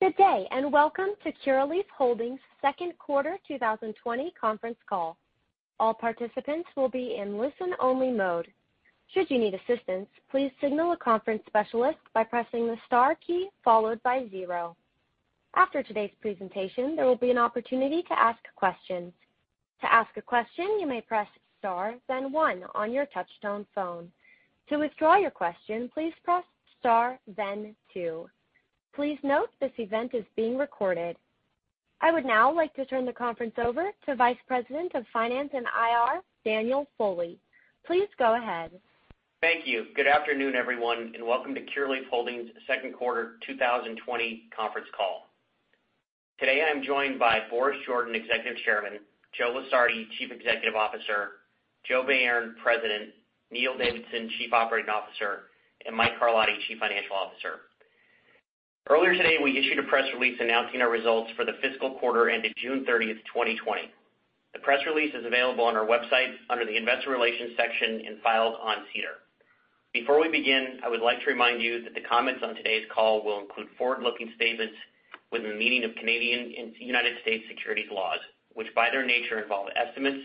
Good day and welcome to Curaleaf Holdings' second quarter 2020 conference call. All participants will be in listen-only mode. Should you need assistance, please signal a conference specialist by pressing the star key followed by zero. After today's presentation, there will be an opportunity to ask questions. To ask a question, you may press star, then one on your touch-tone phone. To withdraw your question, please press star, then two. Please note this event is being recorded. I would now like to turn the conference over to Vice President of Finance and IR, Daniel Foley. Please go ahead. Thank you. Good afternoon, everyone, and welcome to Curaleaf Holdings' second quarter 2020 conference call. Today, I'm joined by Boris Jordan, Executive Chairman, Joe Lusardi, Chief Executive Officer, Joe Bayern, President, Neil Davidson, Chief Operating Officer, and Mike Carlotti, Chief Financial Officer. Earlier today, we issued a press release announcing our results for the fiscal quarter ended June 30, 2020. The press release is available on our website under the Investor Relations section and filed on SEDAR. Before we begin, I would like to remind you that the comments on today's call will include forward-looking statements within the meaning of Canadian and United States securities laws, which by their nature involve estimates,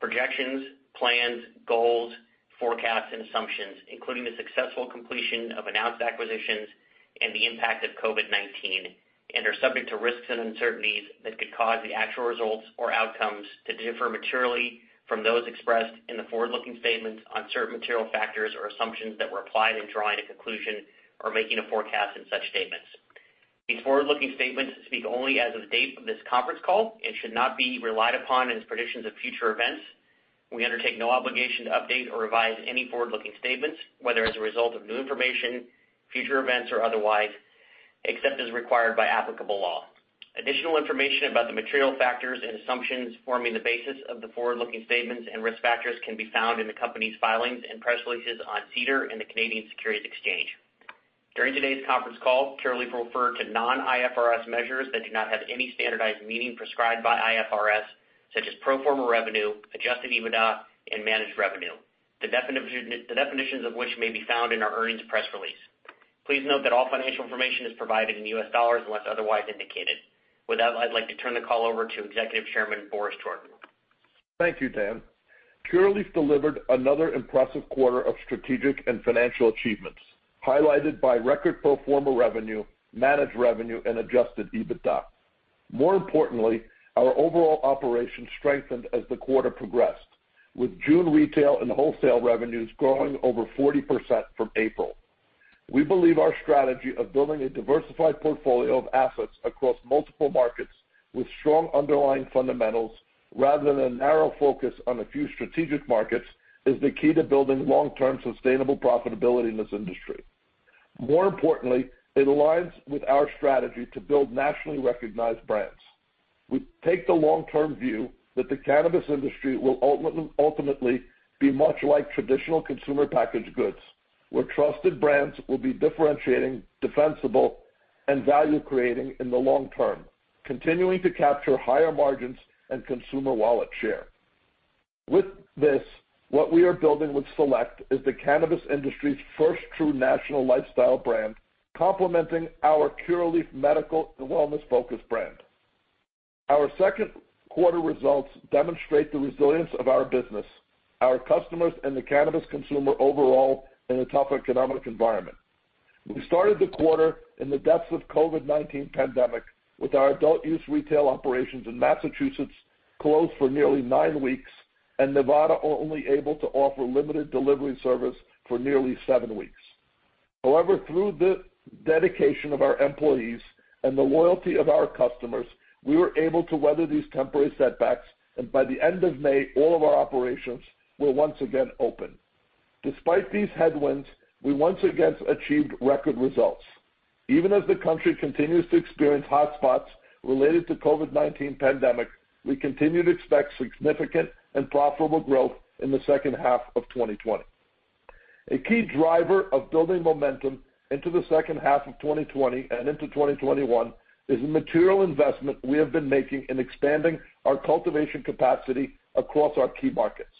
projections, plans, goals, forecasts, and assumptions, including the successful completion of announced acquisitions and the impact of COVID-19, and are subject to risks and uncertainties that could cause the actual results or outcomes to differ materially from those expressed in the forward-looking statements on certain material factors or assumptions that were applied in drawing a conclusion or making a forecast in such statements. These forward-looking statements speak only as of the date of this conference call and should not be relied upon as predictions of future events. We undertake no obligation to update or revise any forward-looking statements, whether as a result of new information, future events, or otherwise, except as required by applicable law. Additional information about the material factors and assumptions forming the basis of the forward-looking statements and risk factors can be found in the company's filings and press releases on SEDAR and the Canadian Securities Exchange. During today's conference call, Curaleaf will refer to non-IFRS measures that do not have any standardized meaning prescribed by IFRS, such as pro forma revenue, adjusted EBITDA, and managed revenue, the definitions of which may be found in our earnings press release. Please note that all financial information is provided in US dollars unless otherwise indicated. With that, I'd like to turn the call over to Executive Chairman Boris Jordan. Thank you, Dan. Curaleaf delivered another impressive quarter of strategic and financial achievements, highlighted by record pro forma revenue, managed revenue, and adjusted EBITDA. More importantly, our overall operations strengthened as the quarter progressed, with June retail and wholesale revenues growing over 40% from April. We believe our strategy of building a diversified portfolio of assets across multiple markets with strong underlying fundamentals, rather than a narrow focus on a few strategic markets, is the key to building long-term sustainable profitability in this industry. More importantly, it aligns with our strategy to build nationally recognized brands. We take the long-term view that the cannabis industry will ultimately be much like traditional consumer packaged goods, where trusted brands will be differentiating, defensible, and value-creating in the long term, continuing to capture higher margins and consumer wallet share. With this, what we are building with Select is the cannabis industry's first true national lifestyle brand, complementing our Curaleaf medical and wellness-focused brand. Our second quarter results demonstrate the resilience of our business, our customers, and the cannabis consumer overall in a tough economic environment. We started the quarter in the depths of the COVID-19 pandemic, with our adult use retail operations in Massachusetts closed for nearly nine weeks and Nevada only able to offer limited delivery service for nearly seven weeks. However, through the dedication of our employees and the loyalty of our customers, we were able to weather these temporary setbacks, and by the end of May, all of our operations were once again open. Despite these headwinds, we once again achieved record results. Even as the country continues to experience hotspots related to the COVID-19 pandemic, we continue to expect significant and profitable growth in the second half of 2020. A key driver of building momentum into the second half of 2020 and into 2021 is the material investment we have been making in expanding our cultivation capacity across our key markets.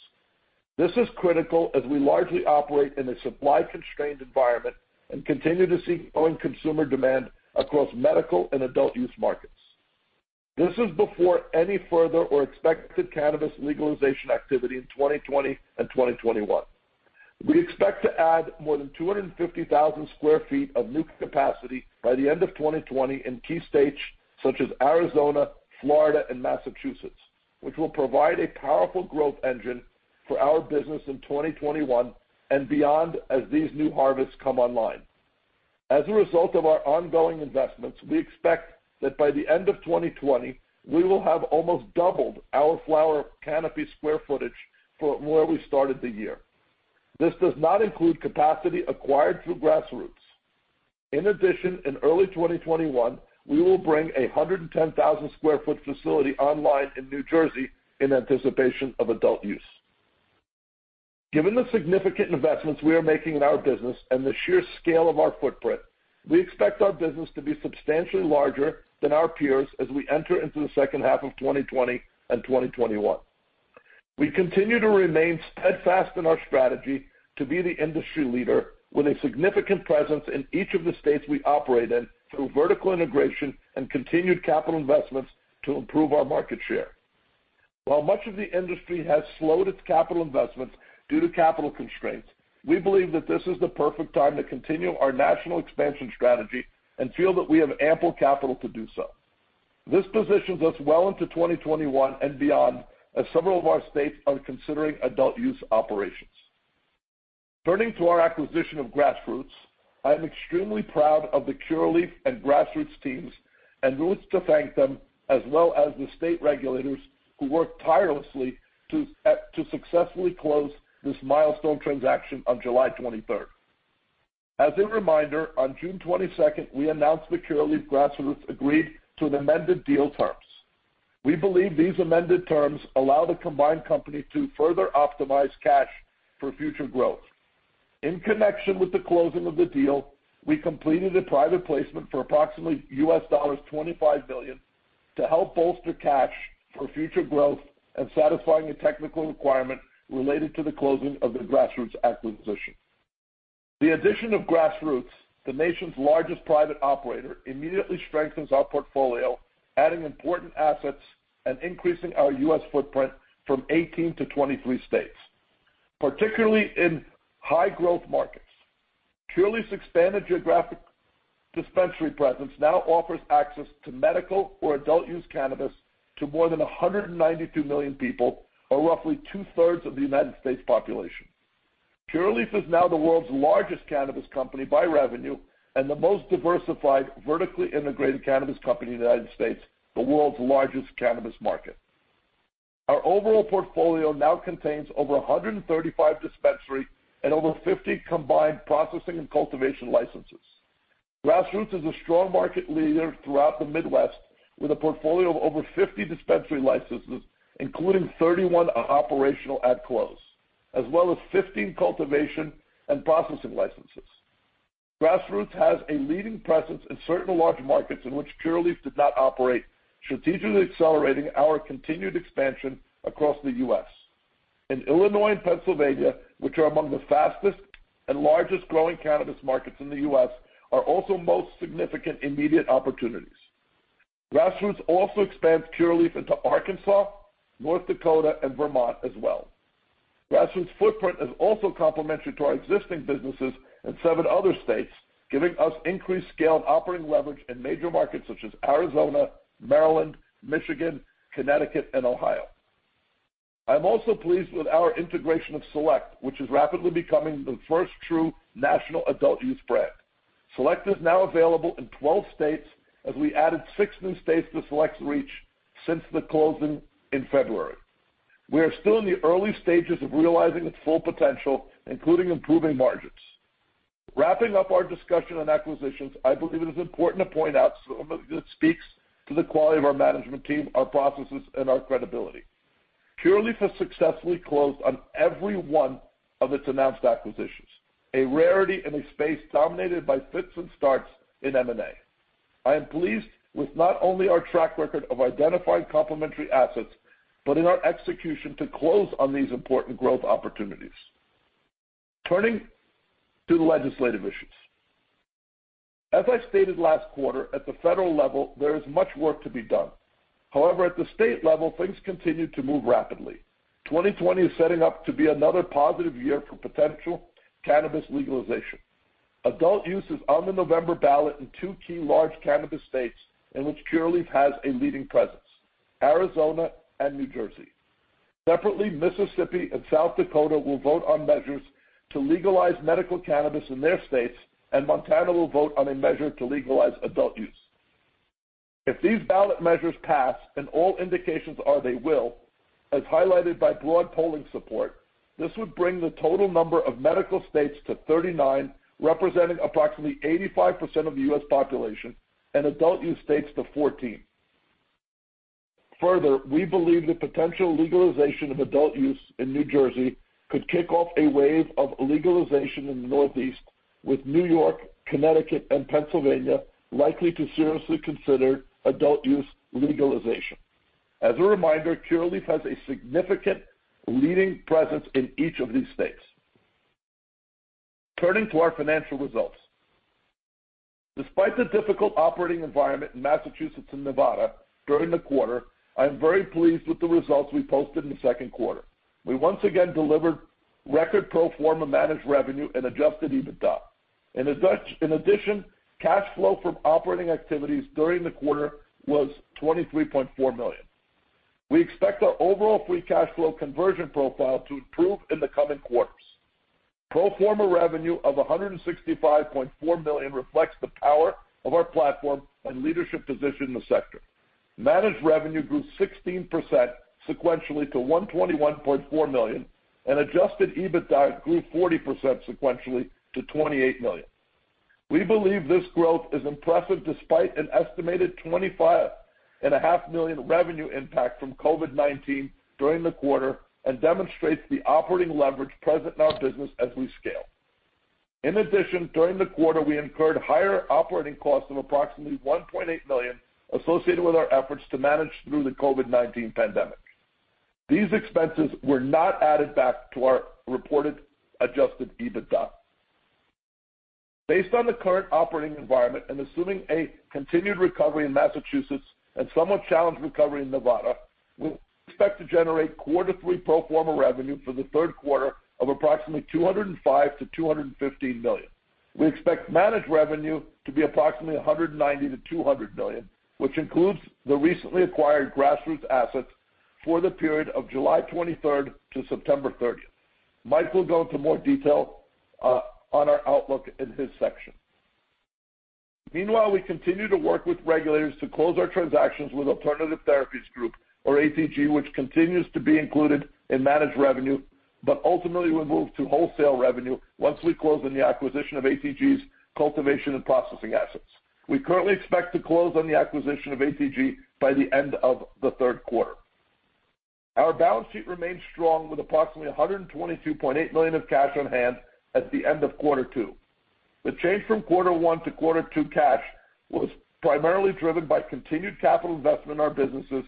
This is critical as we largely operate in a supply-constrained environment and continue to see growing consumer demand across medical and adult use markets. This is before any further or expected cannabis legalization activity in 2020 and 2021. We expect to add more than 250,000 sq ft of new capacity by the end of 2020 in key states such as Arizona, Florida, and Massachusetts, which will provide a powerful growth engine for our business in 2021 and beyond as these new harvests come online. As a result of our ongoing investments, we expect that by the end of 2020, we will have almost doubled our flower canopy square footage from where we started the year. This does not include capacity acquired through Grassroots. In addition, in early 2021, we will bring a 110,000 sq ft facility online in New Jersey in anticipation of adult use. Given the significant investments we are making in our business and the sheer scale of our footprint, we expect our business to be substantially larger than our peers as we enter into the second half of 2020 and 2021. We continue to remain steadfast in our strategy to be the industry leader with a significant presence in each of the states we operate in through vertical integration and continued capital investments to improve our market share. While much of the industry has slowed its capital investments due to capital constraints, we believe that this is the perfect time to continue our national expansion strategy and feel that we have ample capital to do so. This positions us well into 2021 and beyond as several of our states are considering adult use operations. Turning to our acquisition of Grassroots, I am extremely proud of the Curaleaf and Grassroots teams and want to thank them, as well as the state regulators who worked tirelessly to successfully close this milestone transaction on July 23. As a reminder, on June 22, we announced the Curaleaf and Grassroots agreed to an amended deal terms. We believe these amended terms allow the combined company to further optimize cash for future growth. In connection with the closing of the deal, we completed a private placement for approximately $25 million to help bolster cash for future growth and satisfying a technical requirement related to the closing of the Grassroots acquisition. The addition of Grassroots, the nation's largest private operator, immediately strengthens our portfolio, adding important assets and increasing our U.S. footprint from 18 to 23 states, particularly in high-growth markets. Curaleaf's expanded geographic dispensary presence now offers access to medical or adult use cannabis to more than 192 million people, or roughly two-thirds of the United States population. Curaleaf is now the world's largest cannabis company by revenue and the most diversified vertically integrated cannabis company in the United States, the world's largest cannabis market. Our overall portfolio now contains over 135 dispensaries and over 50 combined processing and cultivation licenses. Grassroots is a strong market leader throughout the Midwest with a portfolio of over 50 dispensary licenses, including 31 operational at close, as well as 15 cultivation and processing licenses. Grassroots has a leading presence in certain large markets in which Curaleaf did not operate, strategically accelerating our continued expansion across the U.S. In Illinois and Pennsylvania, which are among the fastest and largest growing cannabis markets in the U.S., are also most significant immediate opportunities. Grassroots also expands Curaleaf into Arkansas, North Dakota, and Vermont as well. Grassroots footprint is also complementary to our existing businesses in seven other states, giving us increased scale of operating leverage in major markets such as Arizona, Maryland, Michigan, Connecticut, and Ohio. I'm also pleased with our integration of Select, which is rapidly becoming the first true national adult use brand. Select is now available in 12 states as we added six new states to Select's reach since the closing in February. We are still in the early stages of realizing its full potential, including improving margins. Wrapping up our discussion on acquisitions, I believe it is important to point out some of it that speaks to the quality of our management team, our processes, and our credibility. Curaleaf has successfully closed on every one of its announced acquisitions, a rarity in a space dominated by fits and starts in M&A. I am pleased with not only our track record of identifying complementary assets but in our execution to close on these important growth opportunities. Turning to the legislative issues. As I stated last quarter, at the federal level, there is much work to be done. However, at the state level, things continue to move rapidly. 2020 is setting up to be another positive year for potential cannabis legalization. Adult use is on the November ballot in two key large cannabis states in which Curaleaf has a leading presence: Arizona and New Jersey. Separately, Mississippi and South Dakota will vote on measures to legalize medical cannabis in their states, and Montana will vote on a measure to legalize adult use. If these ballot measures pass, and all indications are they will, as highlighted by broad polling support, this would bring the total number of medical states to 39, representing approximately 85% of the U.S. population, and adult use states to 14. Further, we believe the potential legalization of adult use in New Jersey could kick off a wave of legalization in the Northeast, with New York, Connecticut, and Pennsylvania likely to seriously consider adult use legalization. As a reminder, Curaleaf has a significant leading presence in each of these states. Turning to our financial results. Despite the difficult operating environment in Massachusetts and Nevada during the quarter, I am very pleased with the results we posted in the second quarter. We once again delivered record pro forma managed revenue and adjusted EBITDA. In addition, cash flow from operating activities during the quarter was $23.4 million. We expect our overall free cash flow conversion profile to improve in the coming quarters. Pro forma revenue of $165.4 million reflects the power of our platform and leadership position in the sector. Managed revenue grew 16% sequentially to $121.4 million, and adjusted EBITDA grew 40% sequentially to $28 million. We believe this growth is impressive despite an estimated $25.5 million revenue impact from COVID-19 during the quarter and demonstrates the operating leverage present in our business as we scale. In addition, during the quarter, we incurred higher operating costs of approximately $1.8 million associated with our efforts to manage through the COVID-19 pandemic. These expenses were not added back to our reported adjusted EBITDA. Based on the current operating environment and assuming a continued recovery in Massachusetts and somewhat challenged recovery in Nevada, we expect to generate quarter-three pro forma revenue for the third quarter of approximately $205 million-$215 million. We expect managed revenue to be approximately $190 million-$200 million, which includes the recently acquired Grassroots assets for the period of July 23 to September 30. Mike will go into more detail on our outlook in his section. Meanwhile, we continue to work with regulators to close our transactions with Alternative Therapies Group, or ATG, which continues to be included in managed revenue, but ultimately will move to wholesale revenue once we close on the acquisition of ATG's cultivation and processing assets. We currently expect to close on the acquisition of ATG by the end of the third quarter. Our balance sheet remains strong with approximately $122.8 million of cash on hand at the end of quarter two. The change from quarter one to quarter two cash was primarily driven by continued capital investment in our businesses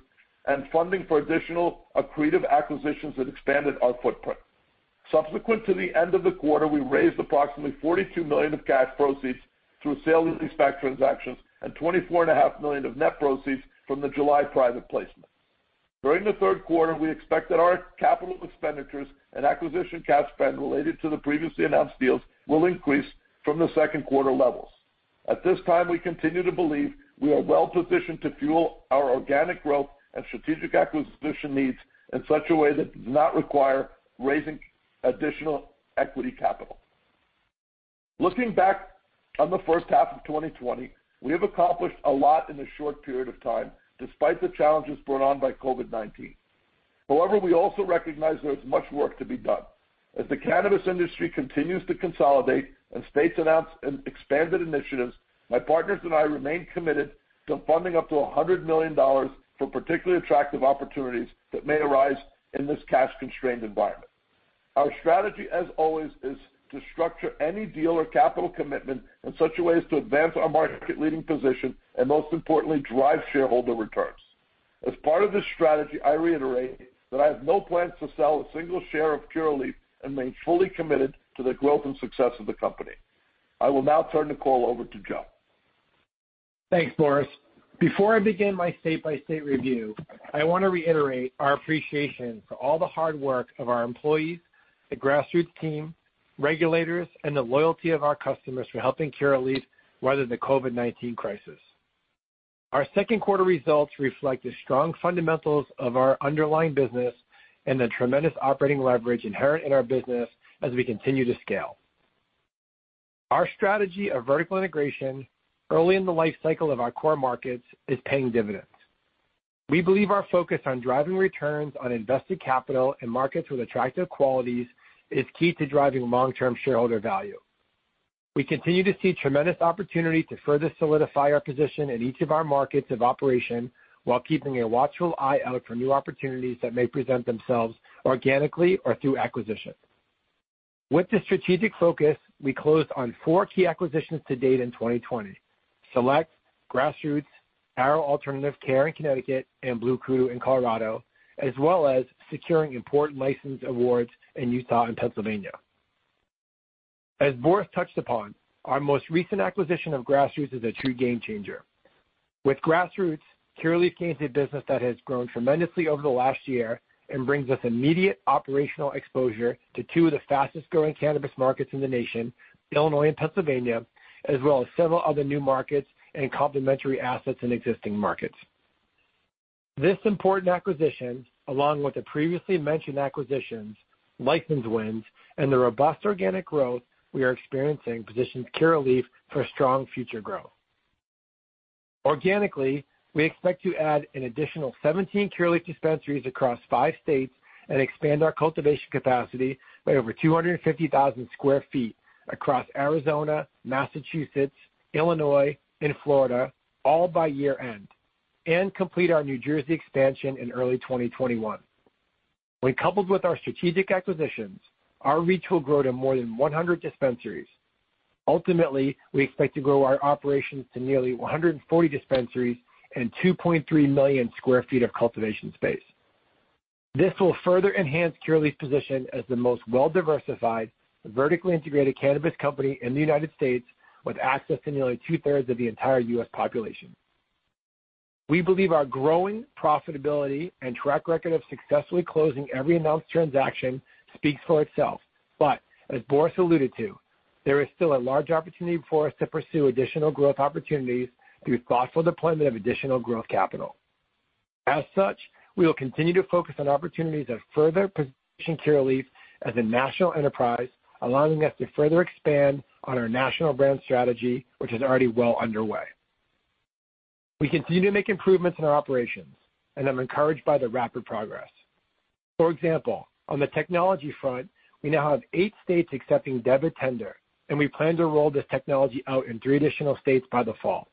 and funding for additional accretive acquisitions that expanded our footprint. Subsequent to the end of the quarter, we raised approximately $42 million of cash proceeds through sales and lease-back transactions and $24.5 million of net proceeds from the July private placement. During the third quarter, we expect that our capital expenditures and acquisition cash spend related to the previously announced deals will increase from the second quarter levels. At this time, we continue to believe we are well positioned to fuel our organic growth and strategic acquisition needs in such a way that does not require raising additional equity capital. Looking back on the first half of 2020, we have accomplished a lot in a short period of time despite the challenges brought on by COVID-19. However, we also recognize there is much work to be done. As the cannabis industry continues to consolidate and states announce expanded initiatives, my partners and I remain committed to funding up to $100 million for particularly attractive opportunities that may arise in this cash-constrained environment. Our strategy, as always, is to structure any deal or capital commitment in such a way as to advance our market-leading position and, most importantly, drive shareholder returns. As part of this strategy, I reiterate that I have no plans to sell a single share of Curaleaf and remain fully committed to the growth and success of the company. I will now turn the call over to Joe. Thanks, Boris. Before I begin my state-by-state review, I want to reiterate our appreciation for all the hard work of our employees, the Grassroots team, regulators, and the loyalty of our customers for helping Curaleaf weather the COVID-19 crisis. Our second quarter results reflect the strong fundamentals of our underlying business and the tremendous operating leverage inherent in our business as we continue to scale. Our strategy of vertical integration early in the life cycle of our core markets is paying dividends. We believe our focus on driving returns on invested capital in markets with attractive qualities is key to driving long-term shareholder value. We continue to see tremendous opportunity to further solidify our position in each of our markets of operation while keeping a watchful eye out for new opportunities that may present themselves organically or through acquisition. With this strategic focus, we closed on four key acquisitions to date in 2020: Select, Grassroots, Arrow Alternative Care in Connecticut, and BlueKudu in Colorado, as well as securing important license awards in Utah and Pennsylvania. As Boris touched upon, our most recent acquisition of Grassroots is a true game changer. With Grassroots, Curaleaf gains a business that has grown tremendously over the last year and brings us immediate operational exposure to two of the fastest-growing cannabis markets in the nation, Illinois and Pennsylvania, as well as several other new markets and complementary assets in existing markets. This important acquisition, along with the previously mentioned acquisitions, license wins, and the robust organic growth we are experiencing, positions Curaleaf for strong future growth. Organically, we expect to add an additional 17 Curaleaf dispensaries across five states and expand our cultivation capacity by over 250,000 sq ft across Arizona, Massachusetts, Illinois, and Florida, all by year-end, and complete our New Jersey expansion in early 2021. When coupled with our strategic acquisitions, our reach will grow to more than 100 dispensaries. Ultimately, we expect to grow our operations to nearly 140 dispensaries and 2.3 million sq ft of cultivation space. This will further enhance Curaleaf's position as the most well-diversified vertically integrated cannabis company in the United States, with access to nearly two-thirds of the entire U.S. population. We believe our growing profitability and track record of successfully closing every announced transaction speaks for itself. But as Boris alluded to, there is still a large opportunity for us to pursue additional growth opportunities through thoughtful deployment of additional growth capital. As such, we will continue to focus on opportunities that further position Curaleaf as a national enterprise, allowing us to further expand on our national brand strategy, which is already well underway. We continue to make improvements in our operations, and I'm encouraged by the rapid progress. For example, on the technology front, we now have eight states accepting debit tender, and we plan to roll this technology out in three additional states by the fall.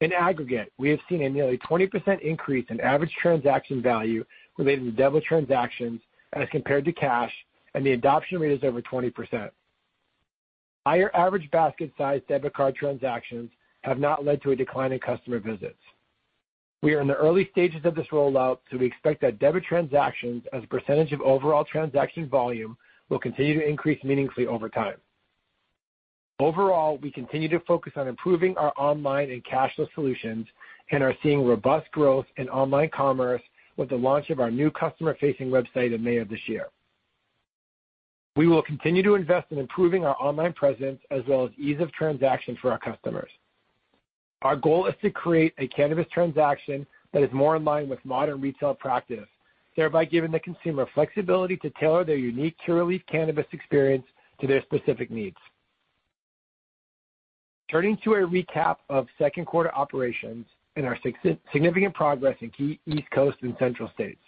In aggregate, we have seen a nearly 20% increase in average transaction value related to debit transactions as compared to cash, and the adoption rate is over 20%. Higher average basket size debit card transactions have not led to a decline in customer visits. We are in the early stages of this rollout, so we expect that debit transactions, as a percentage of overall transaction volume, will continue to increase meaningfully over time. Overall, we continue to focus on improving our online and cashless solutions and are seeing robust growth in online commerce with the launch of our new customer-facing website in May of this year. We will continue to invest in improving our online presence as well as ease of transaction for our customers. Our goal is to create a cannabis transaction that is more in line with modern retail practice, thereby giving the consumer flexibility to tailor their unique Curaleaf cannabis experience to their specific needs. Turning to a recap of second quarter operations and our significant progress in key East Coast and Central states.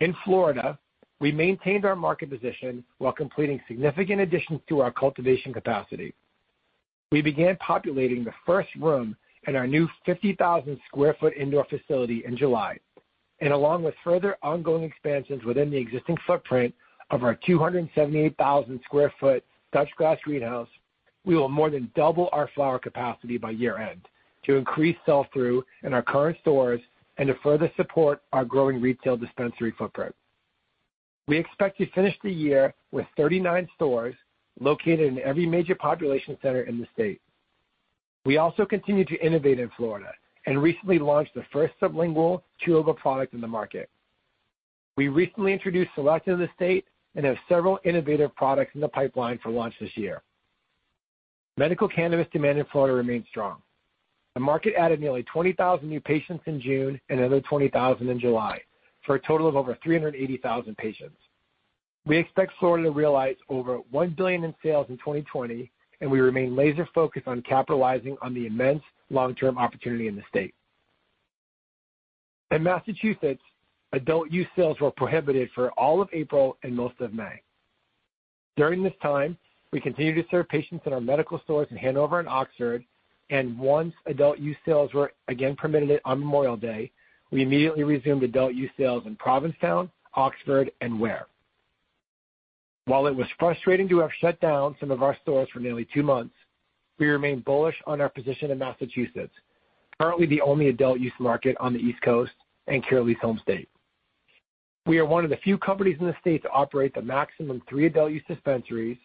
In Florida, we maintained our market position while completing significant additions to our cultivation capacity. We began populating the first room in our new 50,000 sq ft indoor facility in July. Along with further ongoing expansions within the existing footprint of our 278,000 sq ft Dutch glass greenhouse, we will more than double our flower capacity by year-end to increase sell-through in our current stores and to further support our growing retail dispensary footprint. We expect to finish the year with 39 stores located in every major population center in the state. We also continue to innovate in Florida and recently launched the first sublingual chewable product in the market. We recently introduced Select in the state and have several innovative products in the pipeline for launch this year. Medical cannabis demand in Florida remains strong. The market added nearly 20,000 new patients in June and another 20,000 in July for a total of over 380,000 patients. We expect Florida to realize over $1 billion in sales in 2020, and we remain laser-focused on capitalizing on the immense long-term opportunity in the state. In Massachusetts, adult use sales were prohibited for all of April and most of May. During this time, we continued to serve patients in our medical stores in Hanover and Oxford, and once adult use sales were again permitted on Memorial Day, we immediately resumed adult use sales in Provincetown, Oxford, and Ware. While it was frustrating to have shut down some of our stores for nearly two months, we remain bullish on our position in Massachusetts, currently the only adult use market on the East Coast and Curaleaf's home state. We are one of the few companies in the state to operate the maximum three adult use dispensaries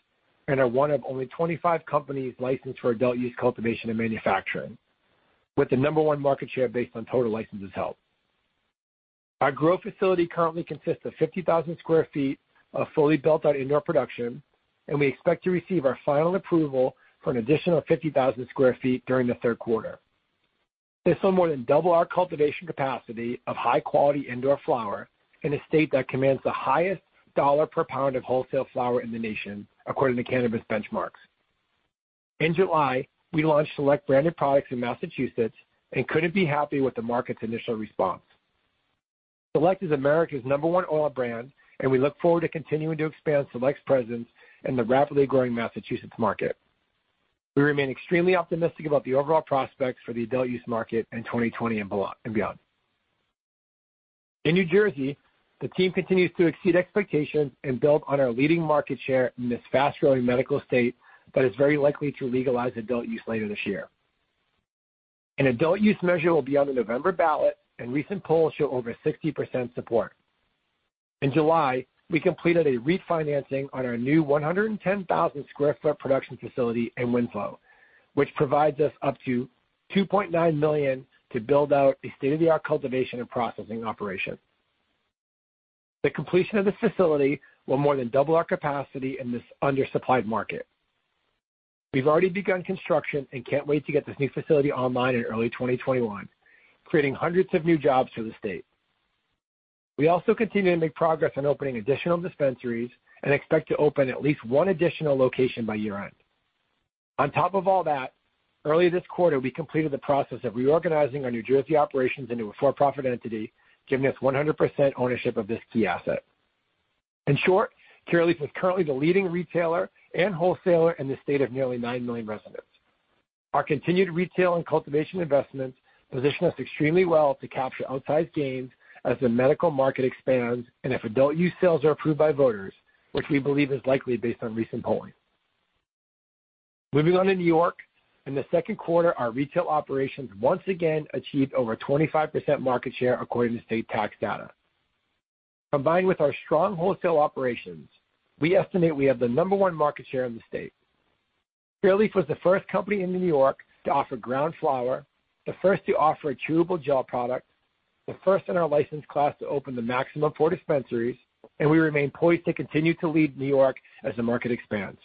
and are one of only 25 companies licensed for adult use cultivation and manufacturing, with the number one market share based on total licenses held. Our growth facility currently consists of 50,000 sq ft of fully built-out indoor production, and we expect to receive our final approval for an additional 50,000 sq ft during the third quarter. This will more than double our cultivation capacity of high-quality indoor flower in a state that commands the highest dollar per pound of wholesale flower in the nation, according to cannabis benchmarks. In July, we launched Select branded products in Massachusetts and couldn't be happier with the market's initial response. Select is America's number one oil brand, and we look forward to continuing to expand Select's presence in the rapidly growing Massachusetts market. We remain extremely optimistic about the overall prospects for the adult use market in 2020 and beyond. In New Jersey, the team continues to exceed expectations and build on our leading market share in this fast-growing medical state that is very likely to legalize adult use later this year. An adult use measure will be on the November ballot, and recent polls show over 60% support. In July, we completed a refinancing on our new 110,000 sq ft production facility in Winslow, which provides us up to $2.9 million to build out a state-of-the-art cultivation and processing operation. The completion of this facility will more than double our capacity in this undersupplied market. We've already begun construction and can't wait to get this new facility online in early 2021, creating hundreds of new jobs for the state. We also continue to make progress on opening additional dispensaries and expect to open at least one additional location by year-end. On top of all that, early this quarter, we completed the process of reorganizing our New Jersey operations into a for-profit entity, giving us 100% ownership of this key asset. In short, Curaleaf is currently the leading retailer and wholesaler in the state of nearly nine million residents. Our continued retail and cultivation investments position us extremely well to capture outsized gains as the medical market expands and if adult use sales are approved by voters, which we believe is likely based on recent polling. Moving on to New York, in the second quarter, our retail operations once again achieved over 25% market share according to state tax data. Combined with our strong wholesale operations, we estimate we have the number one market share in the state. Curaleaf was the first company in New York to offer ground flower, the first to offer a chewable gel product, the first in our license class to open the maximum four dispensaries, and we remain poised to continue to lead New York as the market expands.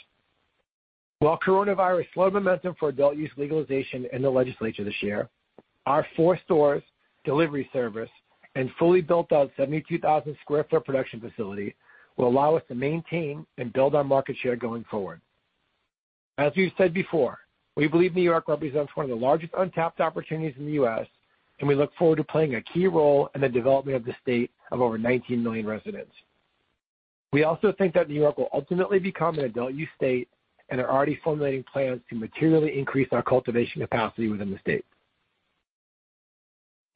While coronavirus slowed momentum for adult use legalization in the legislature this year, our four stores, delivery service, and fully built-out 72,000 sq ft production facility will allow us to maintain and build our market share going forward. As we've said before, we believe New York represents one of the largest untapped opportunities in the U.S., and we look forward to playing a key role in the development of the state of over 19 million residents. We also think that New York will ultimately become an adult use state and are already formulating plans to materially increase our cultivation capacity within the state.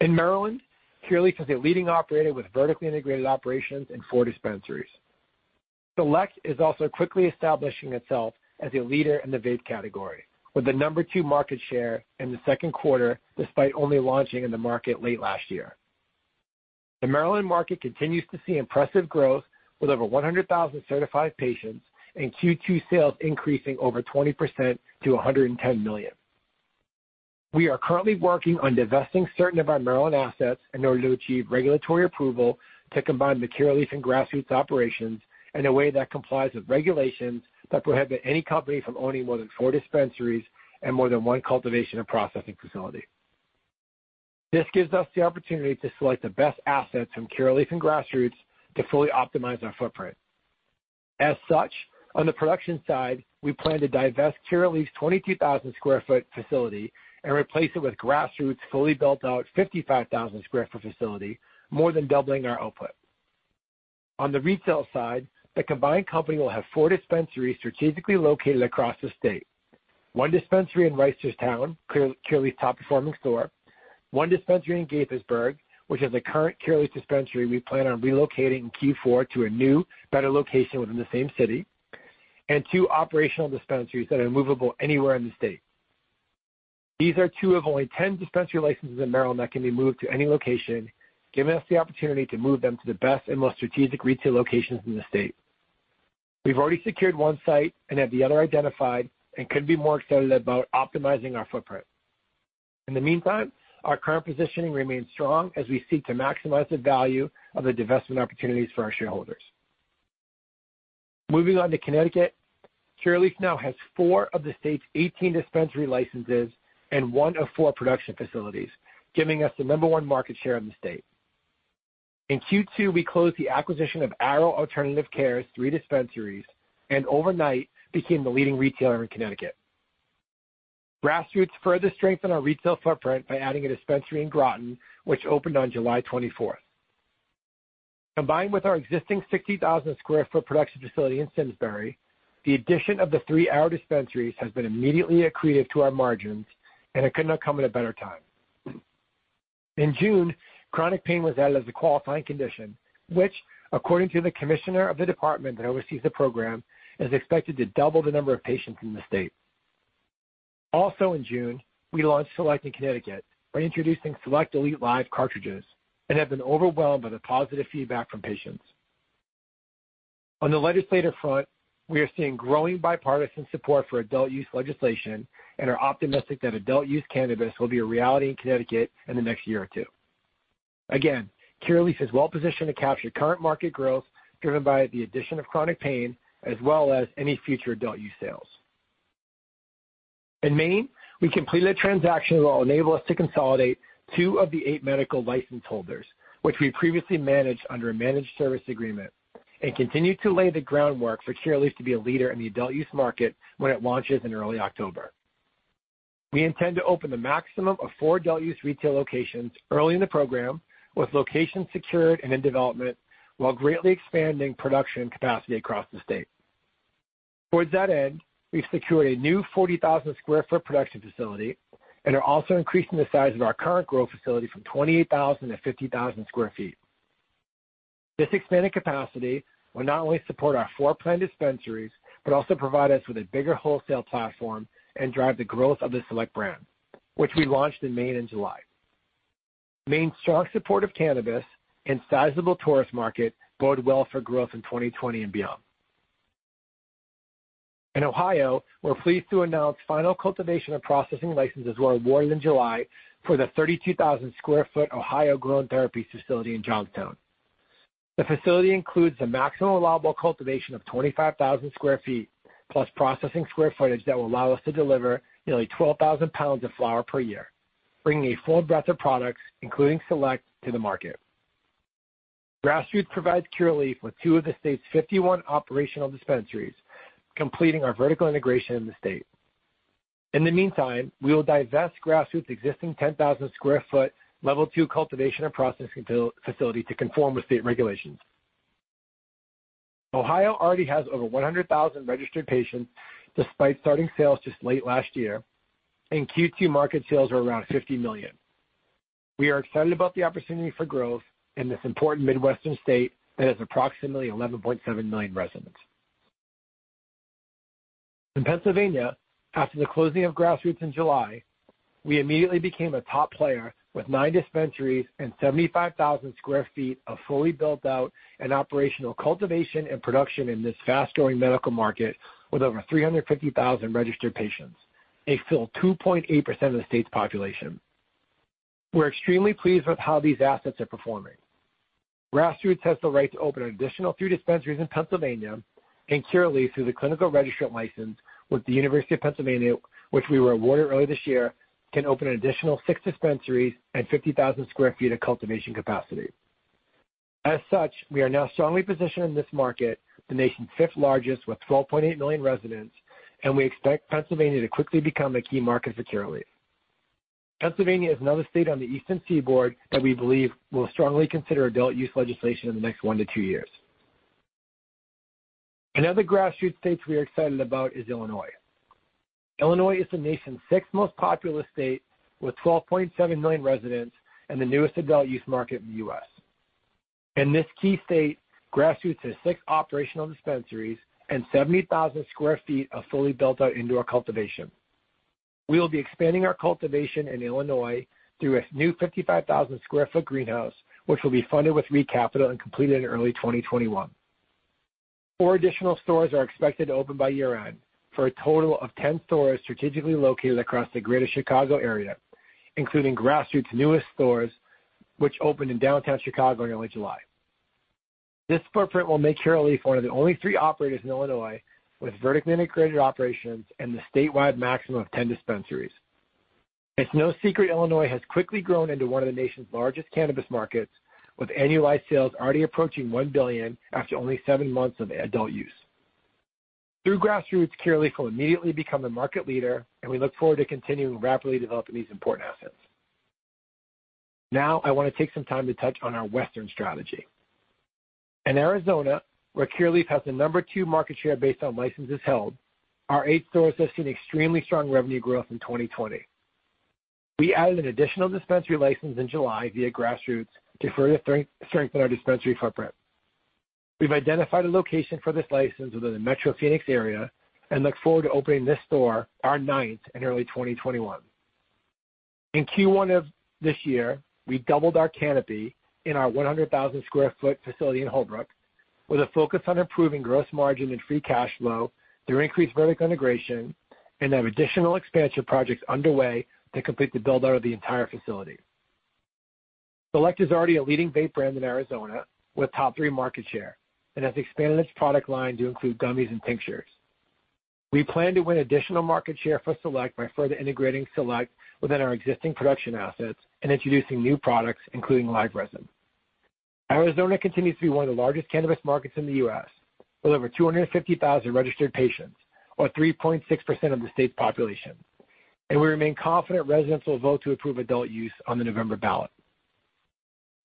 In Maryland, Curaleaf is a leading operator with vertically integrated operations and four dispensaries. Select is also quickly establishing itself as a leader in the vape category, with the number two market share in the second quarter despite only launching in the market late last year. The Maryland market continues to see impressive growth with over 100,000 certified patients and Q2 sales increasing over 20% to $110 million. We are currently working on divesting certain of our Maryland assets in order to achieve regulatory approval to combine the Curaleaf and Grassroots operations in a way that complies with regulations that prohibit any company from owning more than four dispensaries and more than one cultivation and processing facility. This gives us the opportunity to select the best assets from Curaleaf and Grassroots to fully optimize our footprint. As such, on the production side, we plan to divest Curaleaf's 22,000 sq ft facility and replace it with Grassroots' fully built-out 55,000 sq ft facility, more than doubling our output. On the retail side, the combined company will have four dispensaries strategically located across the state: one dispensary in Reisterstown, Curaleaf's top-performing store, one dispensary in Gaithersburg, which is a current Curaleaf dispensary we plan on relocating in Q4 to a new, better location within the same city, and two operational dispensaries that are movable anywhere in the state. These are two of only 10 dispensary licenses in Maryland that can be moved to any location, giving us the opportunity to move them to the best and most strategic retail locations in the state. We've already secured one site and have the other identified and couldn't be more excited about optimizing our footprint. In the meantime, our current positioning remains strong as we seek to maximize the value of the divestment opportunities for our shareholders. Moving on to Connecticut, Curaleaf now has four of the state's 18 dispensary licenses and one of four production facilities, giving us the number one market share in the state. In Q2, we closed the acquisition of Arrow Alternative Care's three dispensaries and overnight became the leading retailer in Connecticut. Grassroots further strengthened our retail footprint by adding a dispensary in Groton, which opened on July 24th. Combined with our existing 60,000 sq ft production facility in Simsbury, the addition of the three Arrow dispensaries has been immediately accretive to our margins, and it could not come at a better time. In June, chronic pain was added as a qualifying condition, which, according to the commissioner of the department that oversees the program, is expected to double the number of patients in the state. Also in June, we launched Select in Connecticut by introducing Select Elite Live cartridges and have been overwhelmed by the positive feedback from patients. On the legislative front, we are seeing growing bipartisan support for adult use legislation and are optimistic that adult use cannabis will be a reality in Connecticut in the next year or two. Again, Curaleaf is well positioned to capture current market growth driven by the addition of chronic pain as well as any future adult use sales. In Maine, we completed a transaction that will enable us to consolidate two of the eight medical license holders, which we previously managed under a managed service agreement, and continue to lay the groundwork for Curaleaf to be a leader in the adult use market when it launches in early October. We intend to open the maximum of four adult use retail locations early in the program, with locations secured and in development, while greatly expanding production capacity across the state. Toward that end, we've secured a new 40,000 sq ft production facility and are also increasing the size of our current growth facility from 28,000 to 50,000 sq ft. This expanded capacity will not only support our four planned dispensaries but also provide us with a bigger wholesale platform and drive the growth of the Select brand, which we launched in Maine in July. Maine's strong support of cannabis and sizable tourist market bode well for growth in 2020 and beyond. In Ohio, we're pleased to announce final cultivation and processing licenses were awarded in July for the 32,000 sq ft Ohio Grown Therapies facility in Johnstown. The facility includes a maximum allowable cultivation of 25,000 sq ft plus processing square footage that will allow us to deliver nearly 12,000 lbs of flower per year, bringing a full breadth of products, including Select, to the market. Grassroots provides Curaleaf with two of the state's 51 operational dispensaries, completing our vertical integration in the state. In the meantime, we will divest Grassroots' existing 10,000 sq ft level two cultivation and processing facility to conform with state regulations. Ohio already has over 100,000 registered patients despite starting sales just late last year, and Q2 market sales were around $50 million. We are excited about the opportunity for growth in this important Midwestern state that has approximately 11.7 million residents. In Pennsylvania, after the closing of Grassroots in July, we immediately became a top player with nine dispensaries and 75,000 sq ft of fully built-out and operational cultivation and production in this fast-growing medical market with over 350,000 registered patients, a full 2.8% of the state's population. We're extremely pleased with how these assets are performing. Grassroots has the right to open an additional three dispensaries in Pennsylvania, and Curaleaf, through the clinical registrant license with the University of Pennsylvania, which we were awarded earlier this year, can open an additional six dispensaries and 50,000 sq ft of cultivation capacity. As such, we are now strongly positioned in this market, the nation's fifth largest with 12.8 million residents, and we expect Pennsylvania to quickly become a key market for Curaleaf. Pennsylvania is another state on the eastern seaboard that we believe will strongly consider adult use legislation in the next one to two years. Another Grassroots state we are excited about is Illinois. Illinois is the nation's sixth most populous state with 12.7 million residents and the newest adult use market in the U.S. In this key state, Grassroots has six operational dispensaries and 70,000 sq ft of fully built-out indoor cultivation. We will be expanding our cultivation in Illinois through a new 55,000 sq ft greenhouse, which will be funded with recapitalization and completed in early 2021. Four additional stores are expected to open by year-end, for a total of 10 stores strategically located across the greater Chicago area, including Grassroots' newest stores, which opened in downtown Chicago in early July. This footprint will make Curaleaf one of the only three operators in Illinois with vertically integrated operations and the statewide maximum of 10 dispensaries. It's no secret Illinois has quickly grown into one of the nation's largest cannabis markets, with annualized sales already approaching $1 billion after only seven months of adult use. Through Grassroots, Curaleaf will immediately become a market leader, and we look forward to continuing rapidly developing these important assets. Now, I want to take some time to touch on our western strategy. In Arizona, where Curaleaf has the number two market share based on licenses held, our eight stores have seen extremely strong revenue growth in 2020. We added an additional dispensary license in July via Grassroots to further strengthen our dispensary footprint. We've identified a location for this license within the Metro Phoenix area and look forward to opening this store, our ninth in early 2021. In Q1 of this year, we doubled our canopy in our 100,000 sq ft facility in Holbrook, with a focus on improving gross margin and free cash flow through increased vertical integration, and have additional expansion projects underway to complete the build-out of the entire facility. Select is already a leading vape brand in Arizona with top three market share and has expanded its product line to include gummies and tinctures. We plan to win additional market share for Select by further integrating Select within our existing production assets and introducing new products, including live resin. Arizona continues to be one of the largest cannabis markets in the U.S., with over 250,000 registered patients, or 3.6% of the state's population, and we remain confident residents will vote to approve adult use on the November ballot.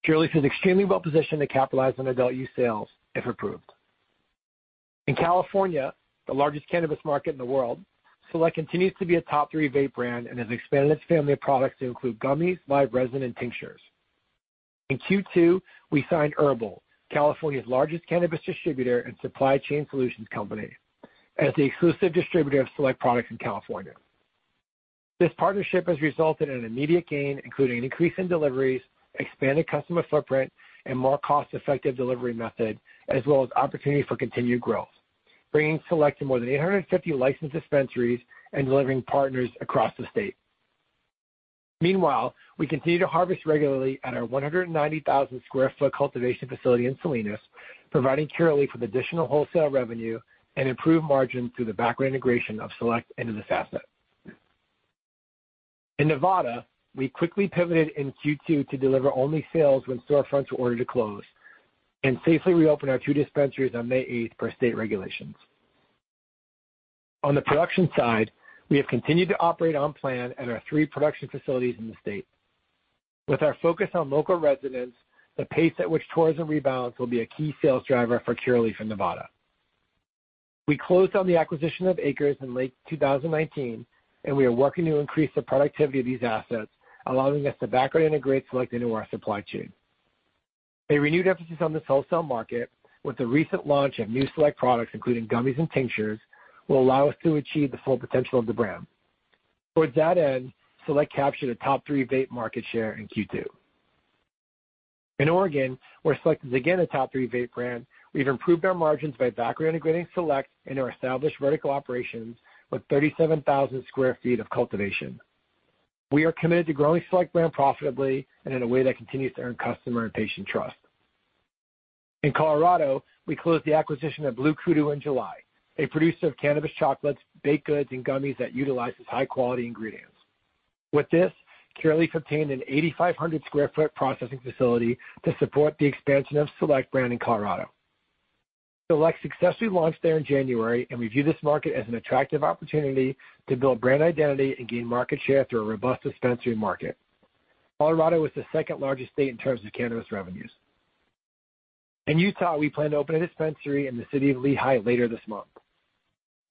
Curaleaf is extremely well positioned to capitalize on adult use sales if approved. In California, the largest cannabis market in the world, Select continues to be a top three vape brand and has expanded its family of products to include gummies, live resin, and tinctures. In Q2, we signed HERBL, California's largest cannabis distributor and supply chain solutions company, as the exclusive distributor of Select products in California. This partnership has resulted in an immediate gain, including an increase in deliveries, expanded customer footprint, and more cost-effective delivery method, as well as opportunity for continued growth, bringing Select to more than 850 licensed dispensaries and delivering partners across the state. Meanwhile, we continue to harvest regularly at our 190,000 sq ft cultivation facility in Salinas, providing Curaleaf with additional wholesale revenue and improved margins through the backward integration of Select into this asset. In Nevada, we quickly pivoted in Q2 to deliver only sales when storefronts were ordered to close and safely reopened our two dispensaries on May 8th per state regulations. On the production side, we have continued to operate on plan at our three production facilities in the state. With our focus on local residents, the pace at which tourism rebounds will be a key sales driver for Curaleaf in Nevada. We closed on the acquisition of Acres in late 2019, and we are working to increase the productivity of these assets, allowing us to backward integrate Select into our supply chain. A renewed emphasis on this wholesale market, with the recent launch of new Select products, including gummies and tinctures, will allow us to achieve the full potential of the brand. Towards that end, Select captured a top three vape market share in Q2. In Oregon, where Select is again a top three vape brand, we've improved our margins by backward integrating Select into our established vertical operations with 37,000 sq ft of cultivation. We are committed to growing Select brand profitably and in a way that continues to earn customer and patient trust. In Colorado, we closed the acquisition of BlueKudu in July, a producer of cannabis chocolates, baked goods, and gummies that utilizes high-quality ingredients. With this, Curaleaf obtained an 8,500 sq ft processing facility to support the expansion of Select brand in Colorado. Select successfully launched there in January, and we view this market as an attractive opportunity to build brand identity and gain market share through a robust dispensary market. Colorado is the second largest state in terms of cannabis revenues. In Utah, we plan to open a dispensary in the city of Lehi later this month.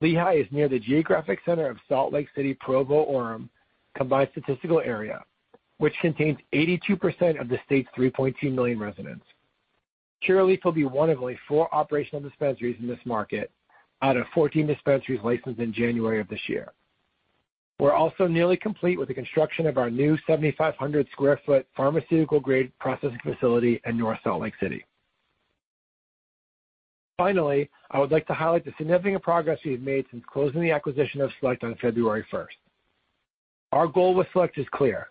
Lehi is near the geographic center of Salt Lake City-Provo-Orem combined statistical area, which contains 82% of the state's 3.2 million residents. Curaleaf will be one of only four operational dispensaries in this market out of 14 dispensaries licensed in January of this year. We're also nearly complete with the construction of our new 7,500 sq ft pharmaceutical-grade processing facility in North Salt Lake City. Finally, I would like to highlight the significant progress we've made since closing the acquisition of Select on February 1st. Our goal with Select is clear: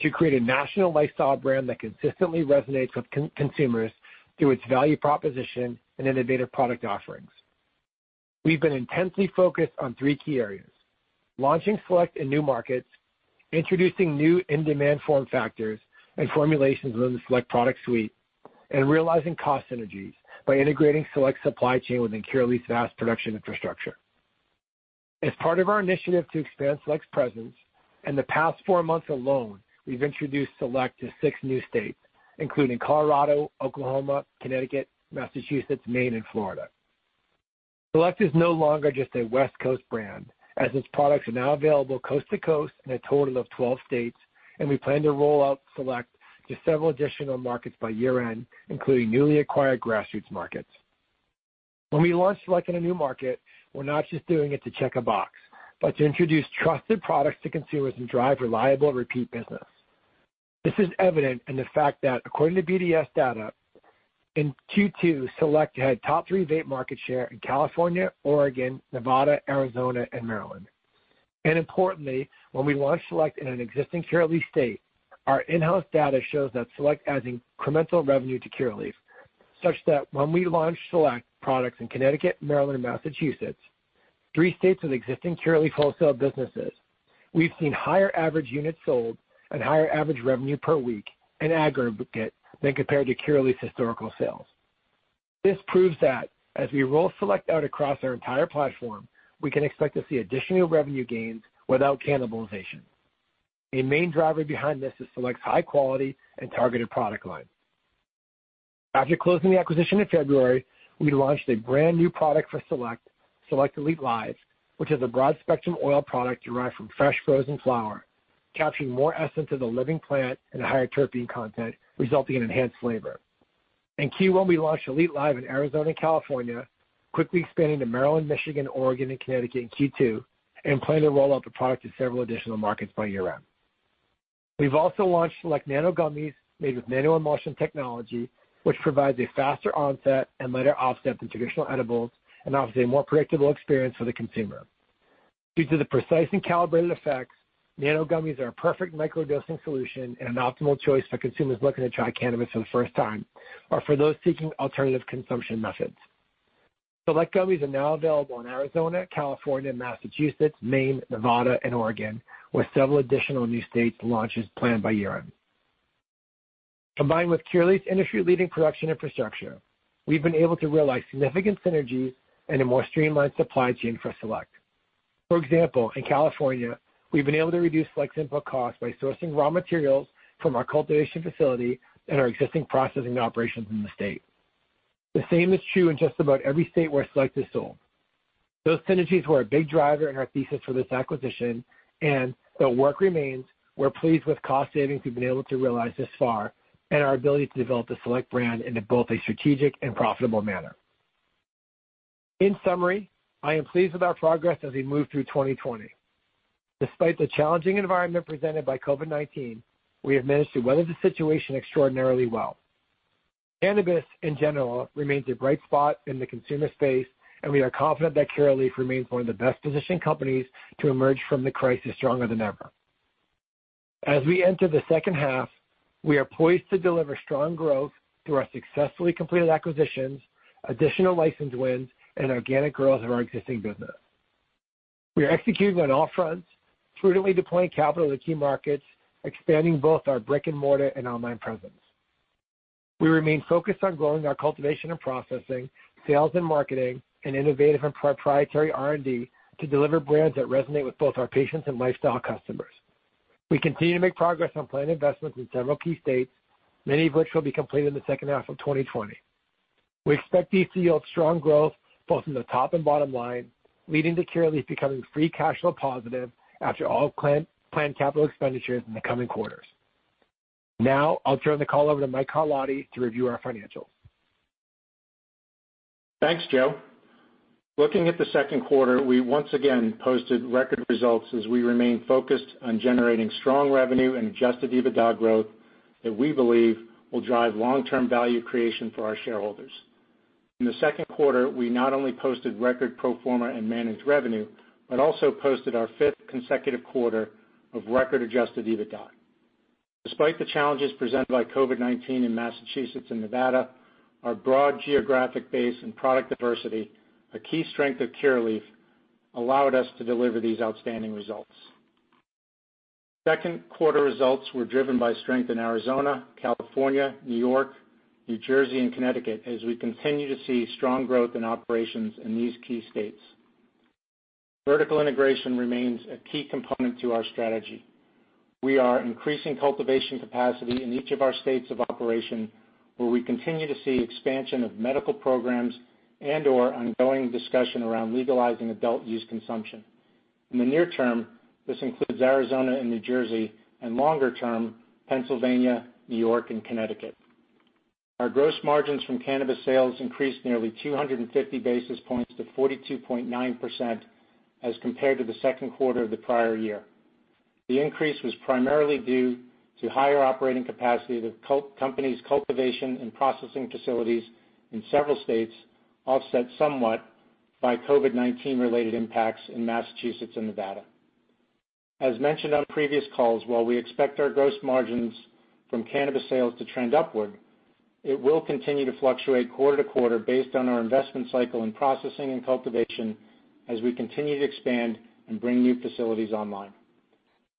to create a national lifestyle brand that consistently resonates with consumers through its value proposition and innovative product offerings. We've been intensely focused on three key areas: launching Select in new markets, introducing new in-demand form factors and formulations within the Select product suite, and realizing cost synergies by integrating Select's supply chain within Curaleaf's vast production infrastructure. As part of our initiative to expand Select's presence, in the past four months alone, we've introduced Select to six new states, including Colorado, Oklahoma, Connecticut, Massachusetts, Maine, and Florida. Select is no longer just a West Coast brand, as its products are now available coast to coast in a total of 12 states, and we plan to roll out Select to several additional markets by year-end, including newly acquired Grassroots markets. When we launch Select in a new market, we're not just doing it to check a box, but to introduce trusted products to consumers and drive reliable repeat business. This is evident in the fact that, according to BDS data, in Q2, Select had top three vape market share in California, Oregon, Nevada, Arizona, and Maryland, and importantly, when we launched Select in an existing Curaleaf state, our in-house data shows that Select adds incremental revenue to Curaleaf, such that when we launched Select products in Connecticut, Maryland, and Massachusetts, three states with existing Curaleaf wholesale businesses, we've seen higher average units sold and higher average revenue per week and aggregate than compared to Curaleaf's historical sales. This proves that, as we roll Select out across our entire platform, we can expect to see additional revenue gains without cannibalization. A main driver behind this is Select's high-quality and targeted product line. After closing the acquisition in February, we launched a brand new product for Select, Select Elite Live, which is a broad-spectrum oil product derived from fresh frozen flower, capturing more essence of the living plant and a higher terpene content, resulting in enhanced flavor. In Q1, we launched Elite Live in Arizona and California, quickly expanding to Maryland, Michigan, Oregon, and Connecticut in Q2, and plan to roll out the product to several additional markets by year-end. We've also launched Select Nano Gummies, made with nano-emulsion technology, which provides a faster onset and lighter offset than traditional edibles and offers a more predictable experience for the consumer. Due to the precise and calibrated effects, Nano Gummies are a perfect microdosing solution and an optimal choice for consumers looking to try cannabis for the first time or for those seeking alternative consumption methods. Select Gummies are now available in Arizona, California, Massachusetts, Maine, Nevada, and Oregon, with several additional new states' launches planned by year-end. Combined with Curaleaf's industry-leading production infrastructure, we've been able to realize significant synergies and a more streamlined supply chain for Select. For example, in California, we've been able to reduce Select's input costs by sourcing raw materials from our cultivation facility and our existing processing operations in the state. The same is true in just about every state where Select is sold. Those synergies were a big driver in our thesis for this acquisition, and though work remains, we're pleased with cost savings we've been able to realize thus far and our ability to develop the Select brand into both a strategic and profitable manner. In summary, I am pleased with our progress as we move through 2020. Despite the challenging environment presented by COVID-19, we have managed to weather the situation extraordinarily well. Cannabis, in general, remains a bright spot in the consumer space, and we are confident that Curaleaf remains one of the best-positioned companies to emerge from the crisis stronger than ever. As we enter the second half, we are poised to deliver strong growth through our successfully completed acquisitions, additional license wins, and organic growth of our existing business. We are executing on all fronts, prudently deploying capital to key markets, expanding both our brick-and-mortar and online presence. We remain focused on growing our cultivation and processing, sales and marketing, and innovative and proprietary R&D to deliver brands that resonate with both our patients and lifestyle customers. We continue to make progress on planned investments in several key states, many of which will be completed in the second half of 2020. We expect these to yield strong growth both in the top and bottom line, leading to Curaleaf becoming free cash flow positive after all planned capital expenditures in the coming quarters. Now, I'll turn the call over to Mike Carlotti to review our financials. Thanks, Joe. Looking at the second quarter, we once again posted record results as we remain focused on generating strong revenue and adjusted EBITDA growth that we believe will drive long-term value creation for our shareholders. In the second quarter, we not only posted record pro forma and managed revenue, but also posted our fifth consecutive quarter of record adjusted EBITDA. Despite the challenges presented by COVID-19 in Massachusetts and Nevada, our broad geographic base and product diversity, a key strength of Curaleaf, allowed us to deliver these outstanding results. Second quarter results were driven by strength in Arizona, California, New York, New Jersey, and Connecticut as we continue to see strong growth in operations in these key states. Vertical integration remains a key component to our strategy. We are increasing cultivation capacity in each of our states of operation, where we continue to see expansion of medical programs and/or ongoing discussion around legalizing adult use consumption. In the near term, this includes Arizona and New Jersey, and longer term, Pennsylvania, New York, and Connecticut. Our gross margins from cannabis sales increased nearly 250 basis points to 42.9% as compared to the second quarter of the prior year. The increase was primarily due to higher operating capacity of the company's cultivation and processing facilities in several states, offset somewhat by COVID-19-related impacts in Massachusetts and Nevada. As mentioned on previous calls, while we expect our gross margins from cannabis sales to trend upward, it will continue to fluctuate quarter to quarter based on our investment cycle in processing and cultivation as we continue to expand and bring new facilities online.